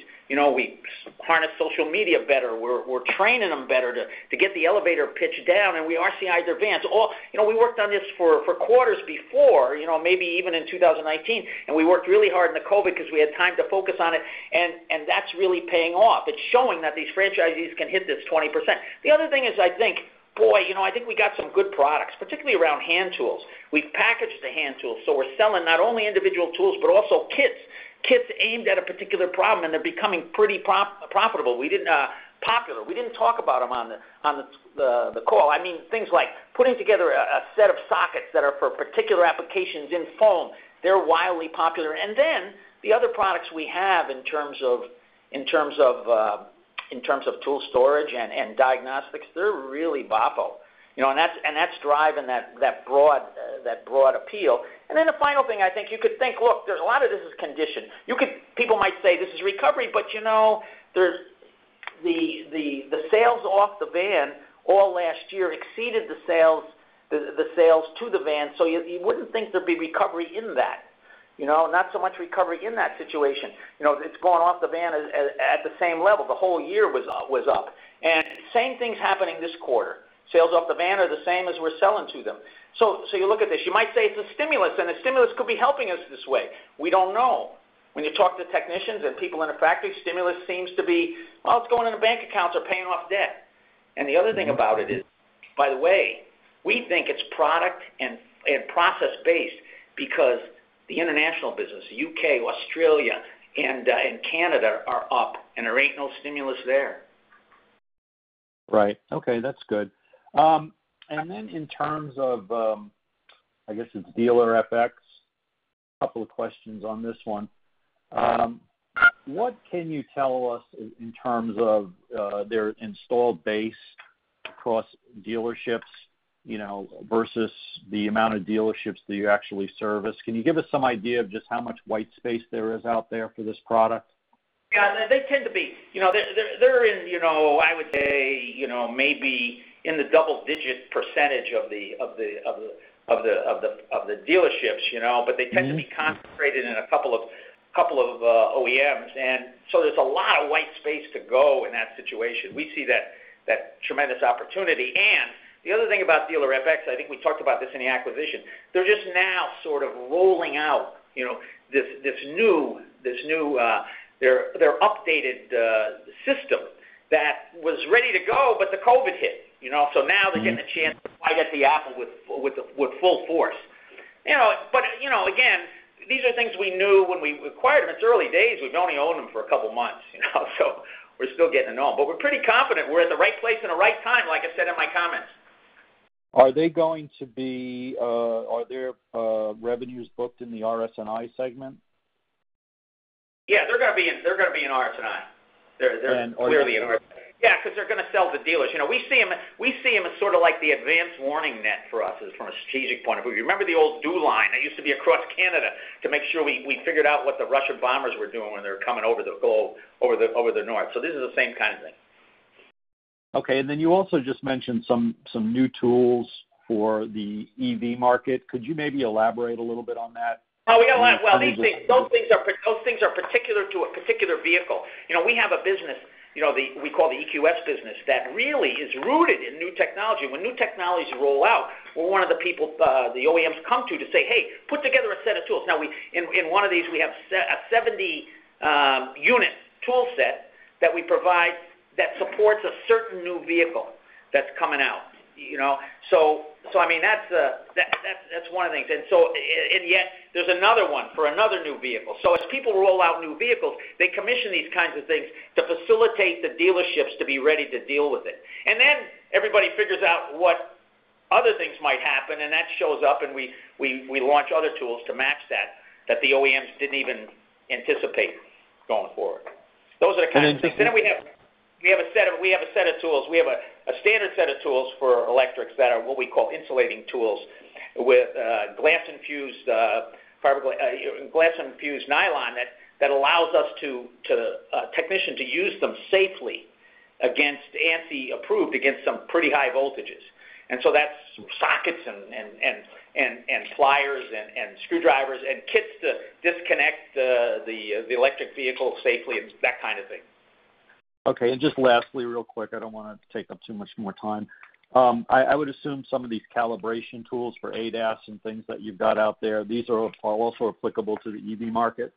Harness social media better. We're training them better to get the elevator pitch down. We RCI their vans. We worked on this for quarters before, maybe even in 2019. We worked really hard in the COVID because we had time to focus on it, and that's really paying off. It's showing that these franchisees can hit this 20%. The other thing is I think, boy, I think we got some good products, particularly around hand tools. We've packaged the hand tools, so we're selling not only individual tools, but also kits. Kits aimed at a particular problem, and they're becoming pretty popular. We didn't talk about them on the call. I mean, things like putting together a set of sockets that are for particular applications in foam. They're wildly popular. The other products we have in terms of tool storage and diagnostics, they're really boffo. That's driving that broad appeal. The final thing, I think you could think, look, there's a lot of this is condition. People might say this is recovery, but the sales off the van all last year exceeded the sales to the van. You wouldn't think there'd be recovery in that. Not so much recovery in that situation. It's going off the van at the same level. The whole year was up. Same thing's happening this quarter. Sales off the van are the same as we're selling to them. You look at this, you might say it's a stimulus, and a stimulus could be helping us this way. We don't know. When you talk to technicians and people in a factory, stimulus seems to be, well, it's going into bank accounts or paying off debt. The other thing about it is, by the way, we think it's product and process-based because the international business, U.K., Australia, and Canada are up, and there ain't no stimulus there. Right. Okay, that's good. Then in terms of, I guess it's Dealer-FX, couple of questions on this one. What can you tell us in terms of their install base across dealerships versus the amount of dealerships that you actually service? Can you give us some idea of just how much white space there is out there for this product? Yeah, they tend to be. They're in, I would say, maybe in the double-digit percentage of the dealerships. They tend to be concentrated in a couple of OEMs. There's a lot of white space to go in that situation. We see that tremendous opportunity. The other thing about Dealer-FX, I think we talked about this in the acquisition, they're just now sort of rolling out their updated system that was ready to go, but the COVID hit. Now they're getting a chance to bite at the apple with full force. Again, these are things we knew when we acquired them. It's early days. We've only owned them for a couple of months. We're still getting to know them, but we're pretty confident we're at the right place at the right time, like I said in my comments. Are their revenues booked in the RS&I segment? Yeah, they're going to be in RS&I. They're clearly in RS&I. Yeah, because they're going to sell to dealers. We see them as sort of like the advance warning net for us from a strategic point of view. Remember the old DEW Line that used to be across Canada to make sure we figured out what the Russian bombers were doing when they were coming over the north. This is the same kind of thing. Okay. Then you also just mentioned some new tools for the EV market. Could you maybe elaborate a little bit on that? We got a lot. Well, those things are particular to a particular vehicle. We have a business we call the EQS business that really is rooted in new technology. When new technologies roll out, we're one of the people the OEMs come to to say, "Hey, put together a set of tools." Now, in one of these, we have a 70-unit tool set that we provide that supports a certain new vehicle that's coming out. I mean, that's one of the things. Yet there's another one for another new vehicle. As people roll out new vehicles, they commission these kinds of things to facilitate the dealerships to be ready to deal with it. Then everybody figures out what other things might happen, and that shows up, and we launch other tools to match that the OEMs didn't even anticipate going forward. Those are the kind of things. We have a standard set of tools for electrics that are what we call insulating tools with glass infused nylon that allows us, a technician to use them safely, ANSI approved, against some pretty high voltages. That's sockets and pliers and screwdrivers and kits to disconnect the electric vehicle safely and that kind of thing. Okay, just lastly, real quick, I don't want to take up too much more time. I would assume some of these calibration tools for ADAS and things that you've got out there, these are also applicable to the EV market?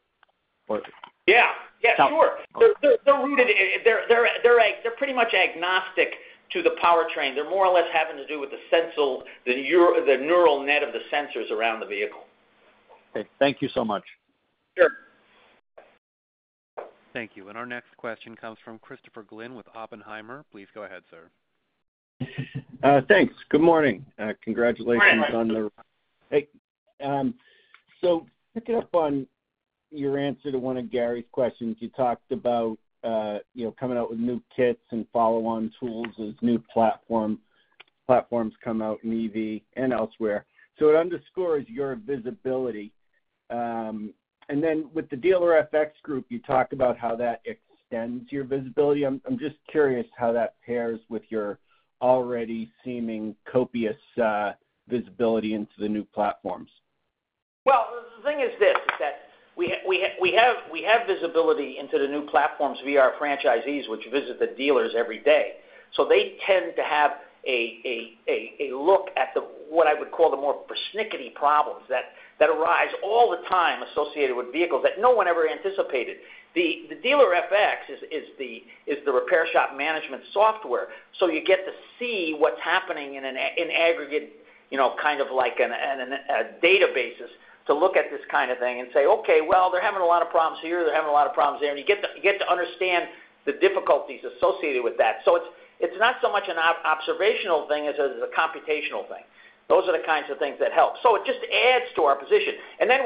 Yeah, sure. They're pretty much agnostic to the powertrain. They're more or less having to do with the neural net of the sensors around the vehicle. Okay. Thank you so much. Sure. Thank you. Our next question comes from Christopher Glynn with Oppenheimer. Please go ahead, sir. Thanks. Good morning. Hi. Hey. Picking up on your answer to one of Gary's questions, you talked about coming out with new kits and follow-on tools as new platforms come out in EV and elsewhere. It underscores your visibility. With the Dealer-FX group, you talked about how that extends your visibility. I'm just curious how that pairs with your already seeming copious visibility into the new platforms. Well, the thing is this, that we have visibility into the new platforms via our franchisees, which visit the dealers every day. They tend to have a look at the, what I would call, the more persnickety problems that arise all the time associated with vehicles that no one ever anticipated. The Dealer-FX is the repair shop management software, you get to see what's happening in aggregate, kind of like in databases to look at this kind of thing and say, "Okay, well, they're having a lot of problems here, they're having a lot of problems there." You get to understand the difficulties associated with that. It's not so much an observational thing as it is a computational thing. Those are the kinds of things that help. It just adds to our position.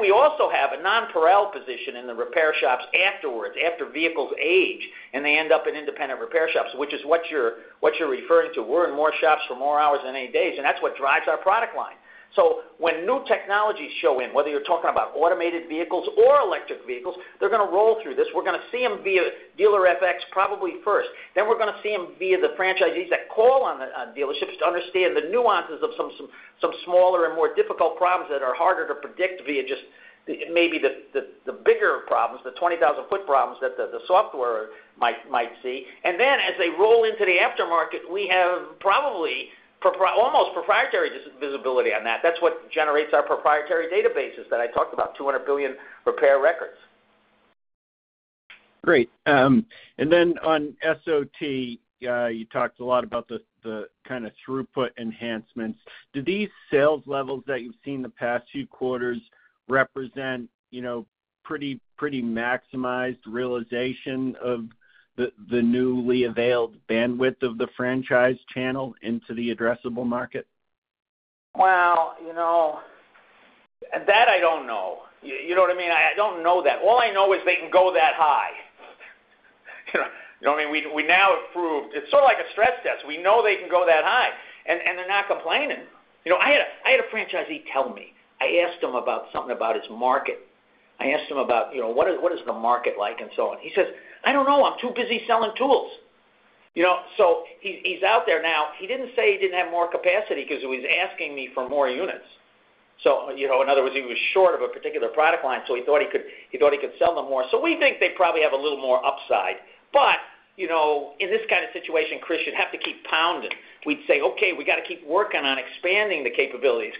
We also have a non-pareil position in the repair shops afterwards, after vehicles age, and they end up in independent repair shops, which is what you're referring to. We're in more shops for more hours than any days, and that's what drives our product line. When new technologies show in, whether you're talking about automated vehicles or electric vehicles, they're going to roll through this. We're going to see them via Dealer-FX probably first. We're going to see them via the franchisees that call on dealerships to understand the nuances of some smaller and more difficult problems that are harder to predict via just maybe the bigger problems, the 20,000-ft problems that the software might see. As they roll into the aftermarket, we have probably almost proprietary visibility on that. That's what generates our proprietary databases that I talked about, 200 billion repair records. Great. Then on SOT, you talked a lot about the kind of throughput enhancements. Do these sales levels that you've seen the past few quarters represent pretty maximized realization of the newly availed bandwidth of the franchise channel into the addressable market? That I don't know. You know what I mean? I don't know that. All I know is they can go that high. You know what I mean? We now have proved. It's sort of like a stress test. We know they can go that high, and they're not complaining. I had a franchisee tell me, I asked him about something about his market. I asked him about, "What is the market like?" He says, "I don't know. I'm too busy selling tools." He's out there now. He didn't say he didn't have more capacity because he was asking me for more units. In other words, he was short of a particular product line, so he thought he could sell them more. We think they probably have a little more upside. In this kind of situation, Chris, you'd have to keep pounding. We'd say, "Okay, we got to keep working on expanding the capabilities."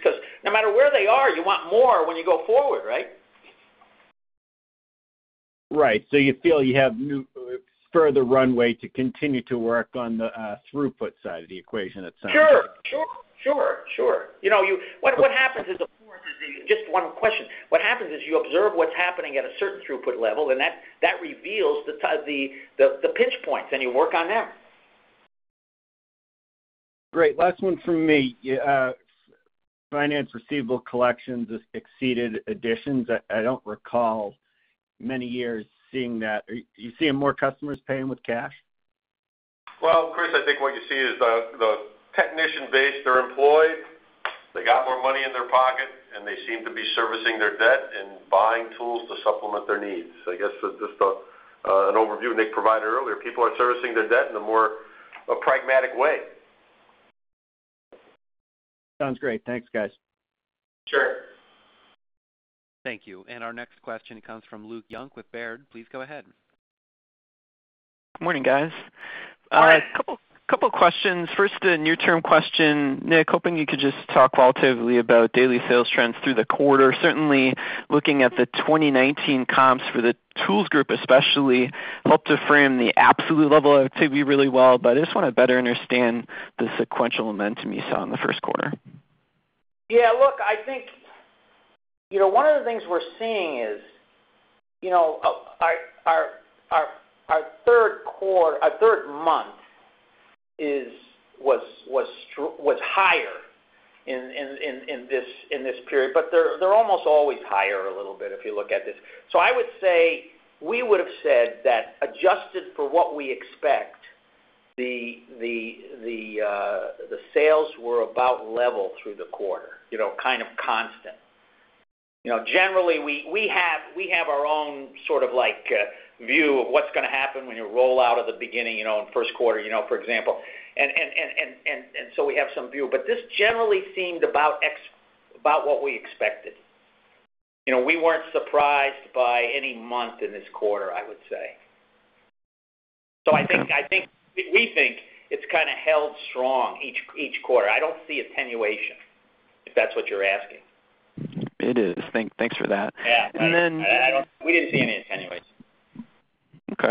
No matter where they are, you want more when you go forward, right? Right. You feel you have further runway to continue to work on the throughput side of the equation, it sounds like. Sure. What happens is, just one question. What happens is you observe what's happening at a certain throughput level, and that reveals the pinch points, and you work on them. Great. Last one from me. Finance receivable collections has exceeded additions. I don't recall many years seeing that. Are you seeing more customers paying with cash? Well, Chris, I think what you see is the technician base, they're employed. They got more money in their pocket, and they seem to be servicing their debt and buying tools to supplement their needs. I guess, just an overview Nick provided earlier. People are servicing their debt in a more pragmatic way. Sounds great. Thanks, guys. Sure. Thank you. Our next question comes from Luke Junk with Baird. Please go ahead. Morning, guys. Hi. A couple of questions. First, a near-term question. Nick, hoping you could just talk relatively about daily sales trends through the quarter. Certainly, looking at the 2019 comps for the Snap-on Tools Group especially, helped to frame the absolute level of activity really well. I just want to better understand the sequential momentum you saw in the first quarter. I think one of the things we're seeing is our third month was higher in this period, they're almost always higher a little bit if you look at this. I would say we would've said that adjusted for what we expect, the sales were about level through the quarter, kind of constant. Generally, we have our own sort of view of what's going to happen when you roll out at the beginning, in first quarter, for example. We have some view. This generally seemed about what we expected. We weren't surprised by any month in this quarter, I would say. I think, we think it's kind of held strong each quarter. I don't see attenuation, if that's what you're asking. It is. Thanks for that. Yeah. And then- We didn't see any attenuations. Okay.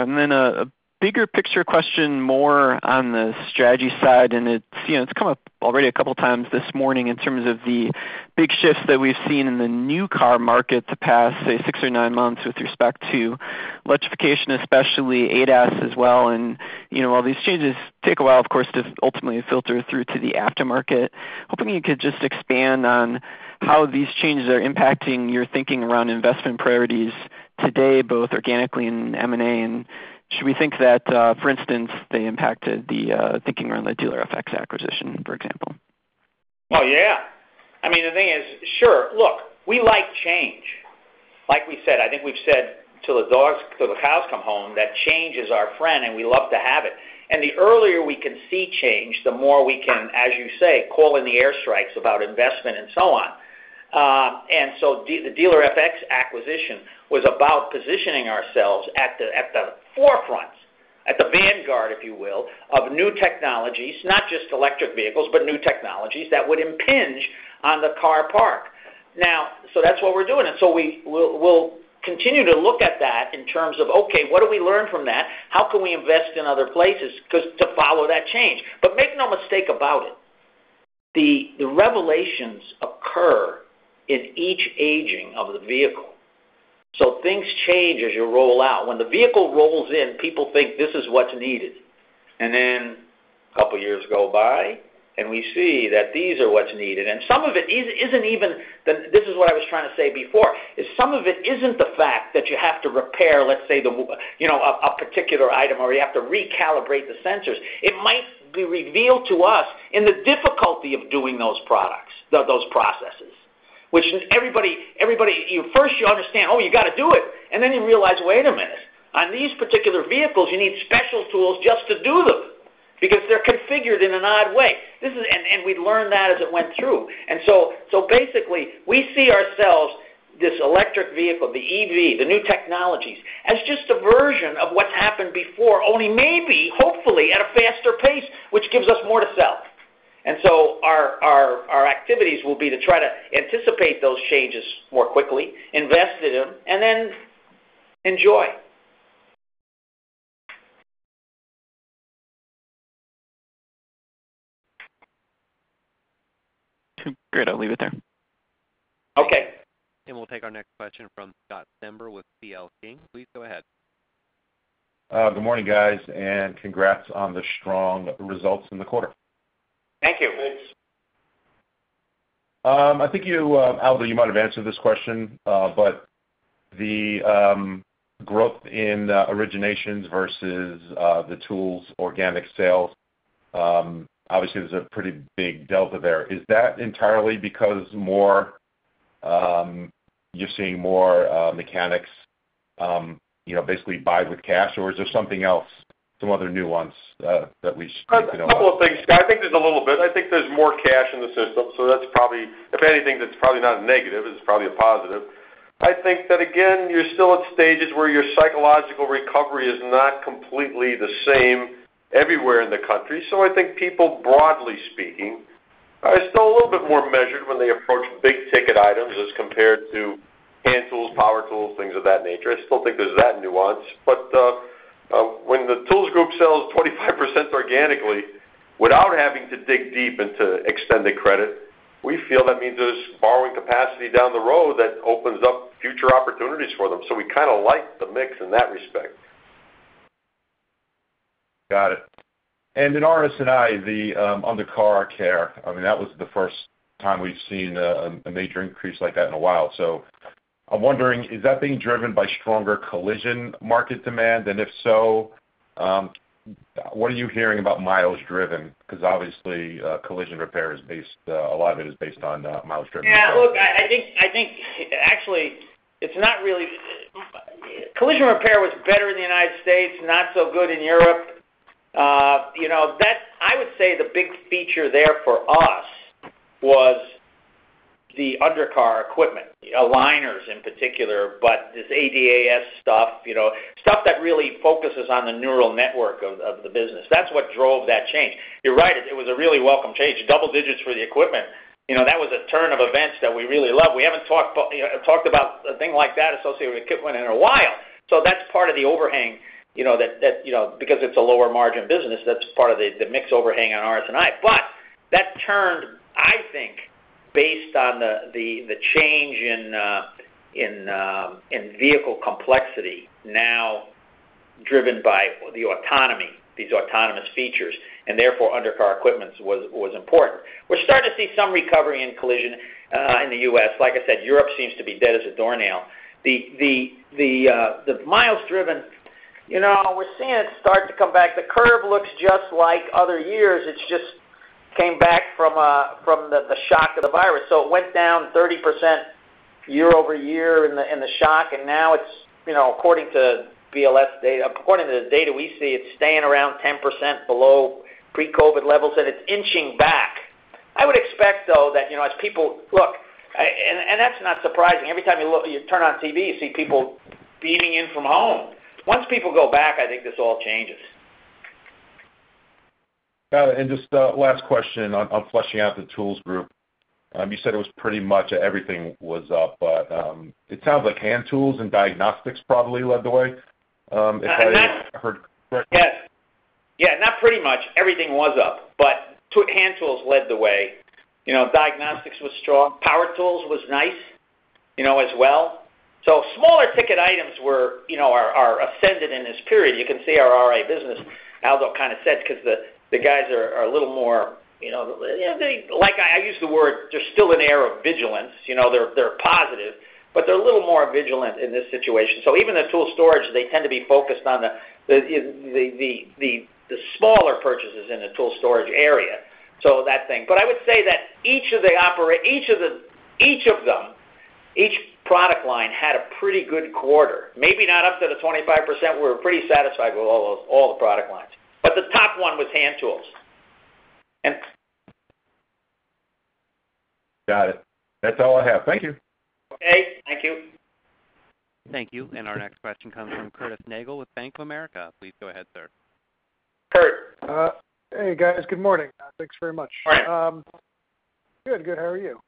A bigger picture question, more on the strategy side, and it's come up already a couple of times this morning in terms of the big shifts that we've seen in the new car market the past, say, six or nine months with respect to electrification especially, ADAS as well, and while these changes take a while, of course, to ultimately filter through to the aftermarket. Hoping you could just expand on how these changes are impacting your thinking around investment priorities today, both organically and M&A, and should we think that, for instance, they impacted the thinking around the Dealer-FX acquisition, for example? Oh, yeah. I mean, the thing is, sure. Look, we like change. Like we said, I think we've said till the cows come home, that change is our friend, and we love to have it. The earlier we can see change, the more we can, as you say, call in the airstrikes about investment and so on. The Dealer-FX acquisition was about positioning ourselves at the forefront, at the vanguard if you will, of new technologies. Not just electric vehicles, but new technologies that would impinge on the car park. Now, that's what we're doing. We'll continue to look at that in terms of, okay, what do we learn from that? How can we invest in other places to follow that change? Make no mistake about it, the revelations occur in each aging of the vehicle. Things change as you roll out. When the vehicle rolls in, people think this is what's needed. A couple of years go by, and we see that these are what's needed. What I was trying to say before is some of it isn't the fact that you have to repair, let's say, a particular item, or you have to recalibrate the sensors. It might be revealed to us in the difficulty of doing those processes. Which everybody, first you understand, you got to do it, and then you realize, wait a minute, on these particular vehicles, you need special tools just to do them, because they're configured in an odd way. We learned that as it went through. Basically, we see ourselves, this electric vehicle, the EV, the new technologies, as just a version of what's happened before, only maybe, hopefully, at a faster pace, which gives us more to sell. Our activities will be to try to anticipate those changes more quickly, invest in them, and then enjoy. Great. I'll leave it there. Okay. We'll take our next question from Scott Stember with C.L. King. Please go ahead. Good morning, guys, and congrats on the strong results in the quarter. Thank you. I think you Aldo, you might have answered this question, but the growth in originations versus the tools organic sales, obviously there's a pretty big delta there. Is that entirely because you're seeing more mechanics basically buy with cash, or is there something else, some other nuance that we should know about? A couple of things, Scott. I think there's a little bit. I think there's more cash in the system, if anything, that's probably not a negative, it's probably a positive. I think that, again, you're still at stages where your psychological recovery is not completely the same everywhere in the country. I think people, broadly speaking, are still a little bit more measured when they approach big-ticket items as compared to hand tools, power tools, things of that nature. I still think there's that nuance. When the tools group sells 25% organically without having to dig deep into extended credit, we feel that means there's borrowing capacity down the road that opens up future opportunities for them. We kind of like the mix in that respect. Got it. In RS&I, the undercar care, I mean, that was the first time we've seen a major increase like that in a while. I'm wondering, is that being driven by stronger collision market demand? If so, what are you hearing about miles driven? Obviously collision repair, a lot of it is based on miles driven. Look, I think actually collision repair was better in the U.S., not so good in Europe. I would say the big feature there for us was the undercar equipment, the aligners in particular, but this ADAS stuff that really focuses on the neural network of the business. That's what drove that change. You're right, it was a really welcome change. Double digits for the equipment. That was a turn of events that we really love. We haven't talked about a thing like that associated with equipment in a while. That's part of the overhang, because it's a lower margin business, that's part of the mix overhang on RS&I. That turned, I think, based on the change in vehicle complexity now driven by the autonomy, these autonomous features, and therefore undercar equipments was important. We're starting to see some recovery in collision in the U.S. Like I said, Europe seems to be dead as a doornail. The miles driven, we're seeing it start to come back. The curve looks just like other years, it's just came back from the shock of the virus. It went down 30% year-over-year in the shock, and now according to the data we see, it's staying around 10% below pre-COVID levels, and it's inching back. I would expect, though, that as people, look, and that's not surprising. Every time you turn on TV, you see people beaming in from home. Once people go back, I think this all changes. Got it. Just last question on fleshing out the Tools Group. You said it was pretty much everything was up, but it sounds like hand tools and diagnostics probably led the way. If I heard correctly. Yes. Not pretty much. Everything was up, but hand tools led the way. Diagnostics was strong. Power tools was nice as well. Smaller ticket items are ascended in this period. You can see our RA business, Aldo kind of said, because the guys are a little more I use the word, there's still an air of vigilance. They're positive, but they're a little more vigilant in this situation. Even the tool storage, they tend to be focused on the smaller purchases in the tool storage area. That thing. I would say that each of them, each product line had a pretty good quarter. Maybe not up to the 25%. We're pretty satisfied with all the product lines. The top one was hand tools. Got it. That's all I have. Thank you. Okay. Thank you. Thank you. Our next question comes from Curtis Nagle with Bank of America. Please go ahead, sir. Curt. Hey, guys. Good morning. Thanks very much. Hi. Good. How are you?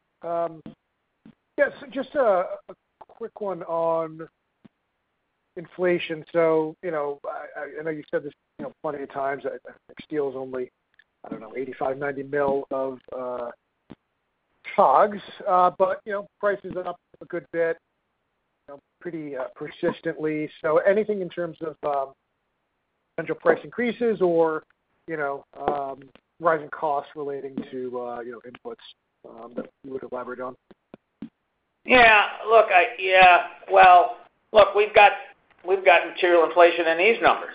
Yes, just a quick one on inflation. I know you've said this plenty of times that steel's only, I don't know, $85 million, $90 million of COGS. Prices are up a good bit, pretty persistently. Anything in terms of potential price increases or rising costs relating to inputs that you would elaborate on? Yeah. Well, look, we've got material inflation in these numbers.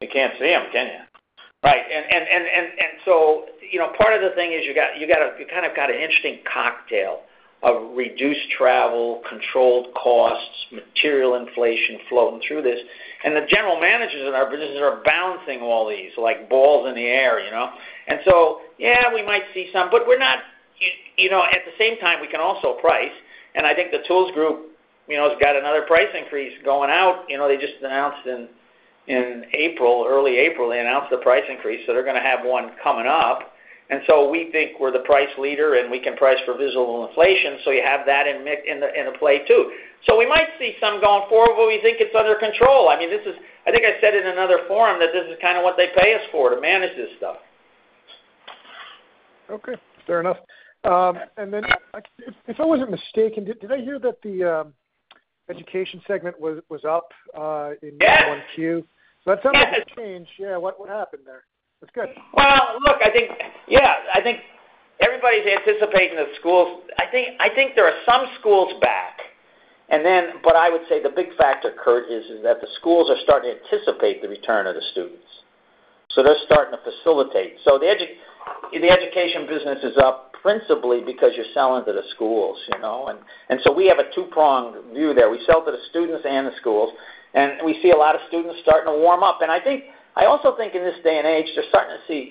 You can't see them, can you? Right. Part of the thing is you kind of got an interesting cocktail of reduced travel, controlled costs, material inflation flowing through this, and the general managers of our businesses are balancing all these like balls in the air. Yeah, we might see some. At the same time, we can also price. I think the Tools Group has got another price increase going out. They just announced in early April, they announced the price increase, so they're going to have one coming up. We think we're the price leader, and we can price for visible inflation. You have that in the play too. We might see some going forward, but we think it's under control. I think I said in another forum that this is kind of what they pay us for, to manage this stuff. Okay. Fair enough. If I wasn't mistaken, did I hear that the education segment was up in 1Q? Yes. That's a bit change. Yeah. What happened there? That's good. Well, look, I think everybody's anticipating the schools. I think there are some schools back. I would say the big factor, Curt, is that the schools are starting to anticipate the return of the students. They're starting to facilitate. The education business is up principally because you're selling to the schools. We have a two-pronged view there. We sell to the students and the schools, and we see a lot of students starting to warm up. I also think in this day and age, they're starting to see,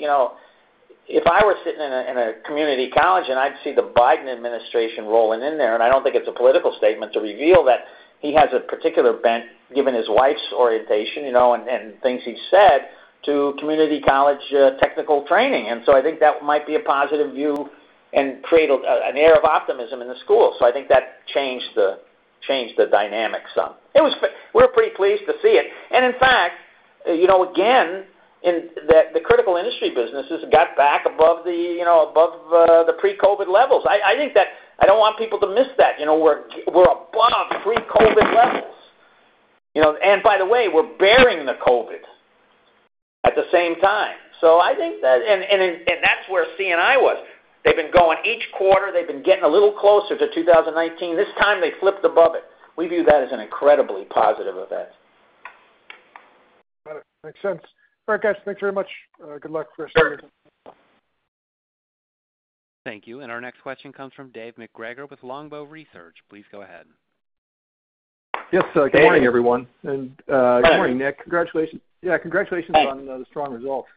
if I were sitting in a community college and I'd see the Biden administration rolling in there, and I don't think it's a political statement to reveal that he has a particular bent given his wife's orientation and things he said to community college technical training. I think that might be a positive view and create an air of optimism in the school. I think that changed the dynamic some. We're pretty pleased to see it. In fact, again, the critical industry businesses got back above the pre-COVID levels. I don't want people to miss that. We're above pre-COVID levels. By the way, we're bearing the COVID at the same time. That's where C&I was. They've been going each quarter. They've been getting a little closer to 2019. This time they flipped above it. We view that as an incredibly positive event. Got it. Makes sense. All right, guys. Thanks very much. Sure. Thank you. Our next question comes from Dave MacGregor with Longbow Research. Please go ahead. Yes. Good morning, everyone. Dave. Good morning, Nick. Hi. Congratulations on the strong results.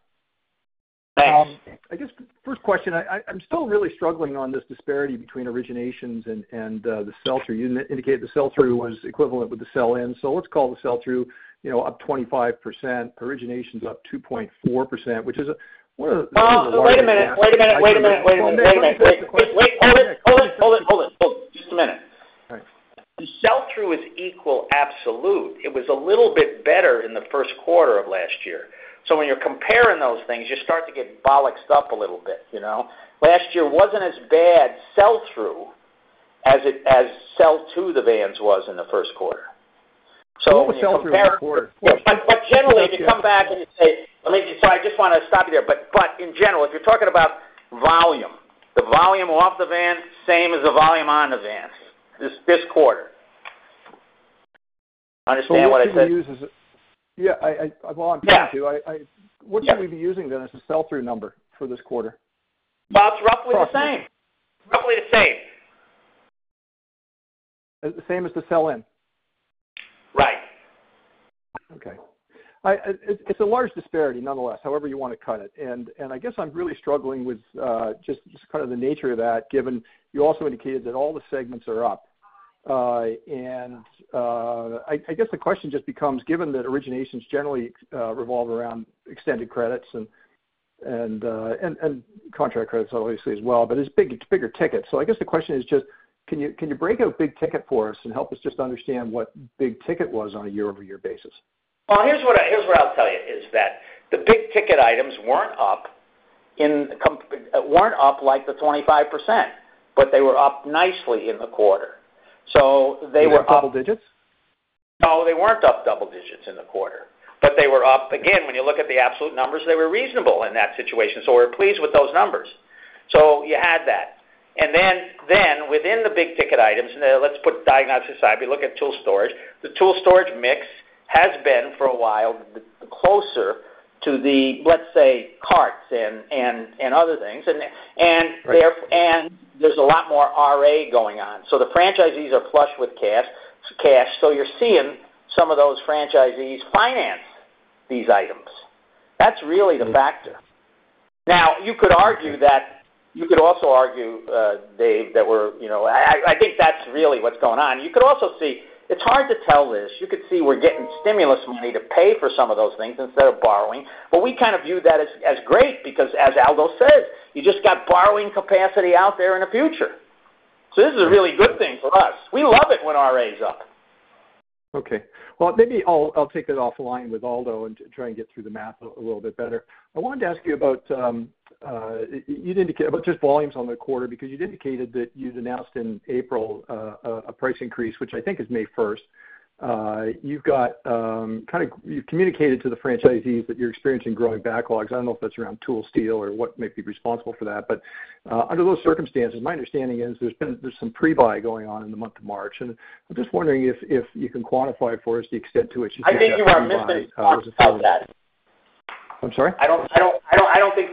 Thanks. I guess first question, I'm still really struggling on this disparity between originations and the sell-through. You indicated the sell-through was equivalent with the sell in. Let's call the sell-through up 25%, originations up 2.4%. Wait a minute. I know that- Wait a minute. Well, Nick, let me ask the question. Wait. Hold it. Sorry, Nick. Hold it. Just a minute. All right. The sell-through is equal absolute. It was a little bit better in the first quarter of last year. When you're comparing those things, you start to get bollocksed up a little bit. Last year wasn't as bad sell-through as sell to the vans was in the first quarter. When you compare. Well, the sell-through in the quarter. Generally, if you come back and you say I just want to stop you there. In general, if you're talking about volume, the volume off the van, same as the volume on the vans, this quarter. Understand what I said? Yeah. Well, I'm trying to. Yeah. What should we be using then as a sell-through number for this quarter? Well, it's roughly the same. The same as the sell in? Right. Okay. It's a large disparity, nonetheless, however you want to cut it. I guess I'm really struggling with just kind of the nature of that, given you also indicated that all the segments are up. I guess the question just becomes, given that originations generally revolve around extended credits and contract credits obviously as well, but it's bigger ticket. I guess the question is just, can you break out big ticket for us and help us just understand what big ticket was on a year-over-year basis? Well, here's what I'll tell you, is that the big ticket items weren't up like the 25%, but they were up nicely in the quarter. They weren't double digits? No, they weren't up double digits in the quarter. They were up. Again, when you look at the absolute numbers, they were reasonable in that situation. We're pleased with those numbers. You had that. Within the big-ticket items, let's put diagnostics aside, we look at tool storage. The tool storage mix has been, for a while, closer to the, let's say, carts and other things. Right. There's a lot more RA going on. The franchisees are flush with cash, so you're seeing some of those franchisees finance these items. That's really the factor. You could also argue, Dave, that I think that's really what's going on. You could also see, it's hard to tell this. You could see we're getting stimulus money to pay for some of those things instead of borrowing, but we kind of view that as great because, as Aldo says, you just got borrowing capacity out there in the future. This is a really good thing for us. We love it when RA's up. Okay. Well, maybe I'll take that offline with Aldo and try and get through the math a little bit better. I wanted to ask you about just volumes on the quarter, because you'd indicated that you'd announced in April a price increase, which I think is May 1st. You've communicated to the franchisees that you're experiencing growing backlogs. I don't know if that's around tool steel or what may be responsible for that. Under those circumstances, my understanding is there's some pre-buy going on in the month of March. I'm just wondering if you can quantify for us the extent to which you see that pre-buy. I think you are misinformed about that. I'm sorry? We don't think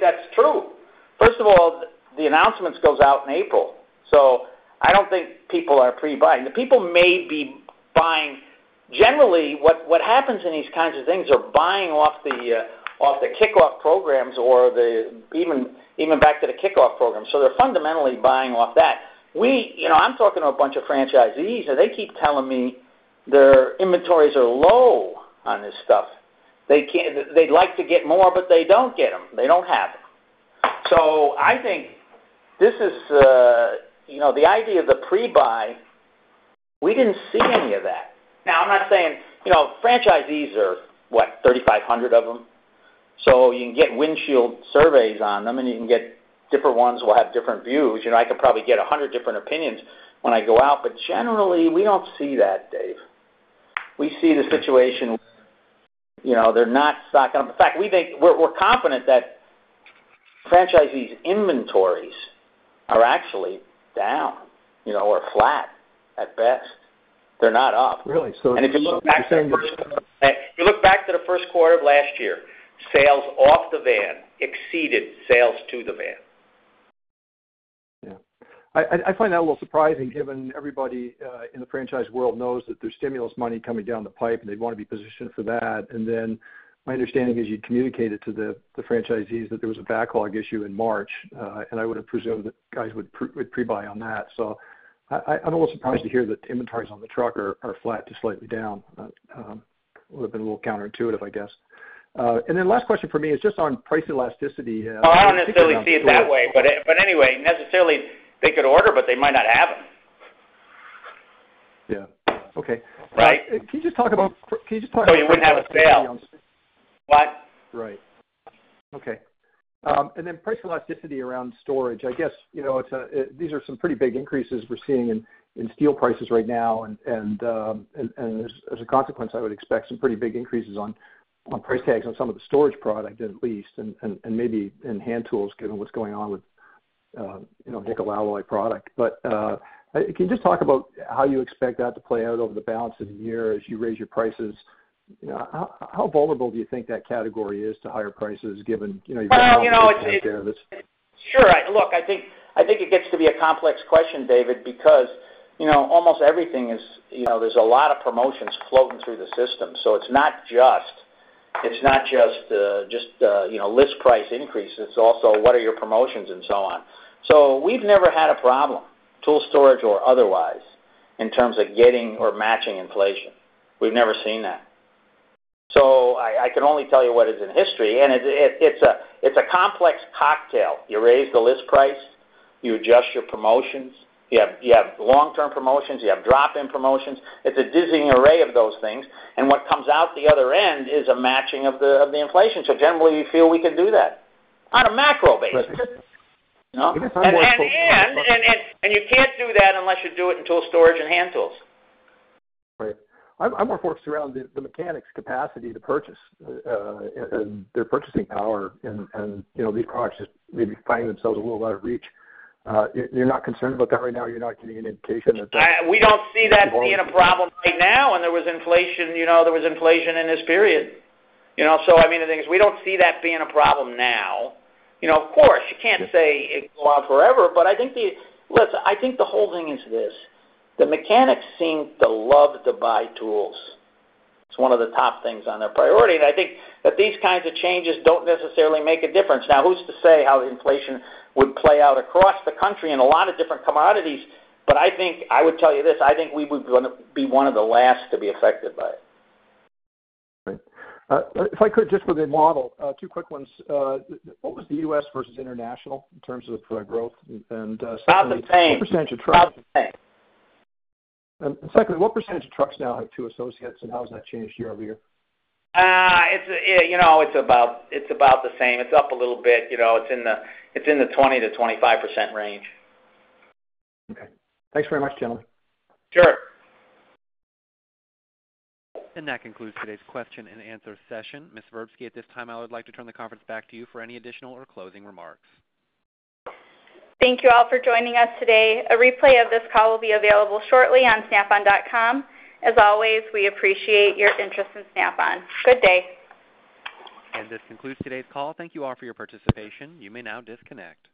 that's true. First of all, the announcements goes out in April, so I don't think people are pre-buying. The people may be buying. Generally, what happens in these kinds of things are buying off the kickoff programs or even back to the kickoff program. They're fundamentally buying off that. I'm talking to a bunch of franchisees. They keep telling me their inventories are low on this stuff. They'd like to get more. They don't get them. They don't have them. I think the idea of the pre-buy, we didn't see any of that. Now, I'm not saying, franchisees are what, 3,500 of them? You can get windshield surveys on them, and you can get different ones who have different views. I could probably get 100 different opinions when I go out. Generally, we don't see that, Dave. We see the situation, they're not stocking up. In fact, we're confident that franchisees' inventories are actually down or flat at best. They're not up. Really? you're saying that- If you look back to the first quarter of last year, sales off the van exceeded sales to the van. Yeah. I find that a little surprising given everybody in the franchise world knows that there's stimulus money coming down the pipe, and they'd want to be positioned for that. My understanding is you communicated to the franchisees that there was a backlog issue in March, and I would've presumed that guys would pre-buy on that. I'm a little surprised to hear that inventories on the truck are flat to slightly down. Would've been a little counterintuitive, I guess. Last question from me is just on price elasticity- Oh, I don't necessarily see it that way. Anyway, necessarily they could order, but they might not have them. Yeah. Okay. Right. Can you just talk about- You wouldn't have a sale. What? Right. Okay. Price elasticity around storage, I guess these are some pretty big increases we're seeing in steel prices right now, as a consequence, I would expect some pretty big increases on price tags on some of the storage product at least, and maybe in hand tools given what's going on with nickel alloy product. Can you just talk about how you expect that to play out over the balance of the year as you raise your prices? How vulnerable do you think that category is to higher prices given you've got- Well, sure. Look, I think it gets to be a complex question, David, because there's a lot of promotions floating through the system. It's not just list price increases, it's also what are your promotions and so on. We've never had a problem, tool storage or otherwise, in terms of getting or matching inflation. We've never seen that. I can only tell you what is in history, and it's a complex cocktail. You raise the list price, you adjust your promotions. You have long-term promotions, you have drop-in promotions. It's a dizzying array of those things, and what comes out the other end is a matching of the inflation. Generally, we feel we can do that on a macro basis. Right. You can't do that unless you do it in tool storage and hand tools. Right. I'm more focused around the mechanics' capacity to purchase, their purchasing power, and these products just maybe finding themselves a little out of reach. You're not concerned about that right now? You're not getting an indication that. We don't see that being a problem right now. There was inflation in this period. I mean, the thing is we don't see that being a problem now. Of course, you can't say it will go on forever. Listen, I think the whole thing is this. The mechanics seem to love to buy tools. It's one of the top things on their priority. I think that these kinds of changes don't necessarily make a difference. Who's to say how inflation would play out across the country in a lot of different commodities, but I think I would tell you this, I think we would be one of the last to be affected by it. Right. If I could just with a model, two quick ones. What was the U.S. versus international in terms of growth and- About the same. What percentage of trucks? About the same. Secondly, what percent of trucks now have two associates, and how has that changed year-over-year? It's about the same. It's up a little bit. It's in the 20%-25% range. Okay. Thanks very much, gentlemen. Sure. That concludes today's question-and-answer session. Ms. Verbsky, at this time, I would like to turn the conference back to you for any additional or closing remarks. Thank you all for joining us today. A replay of this call will be available shortly on snapon.com. As always, we appreciate your interest in Snap-on. Good day. This concludes today's call. Thank you all for your participation. You may now disconnect.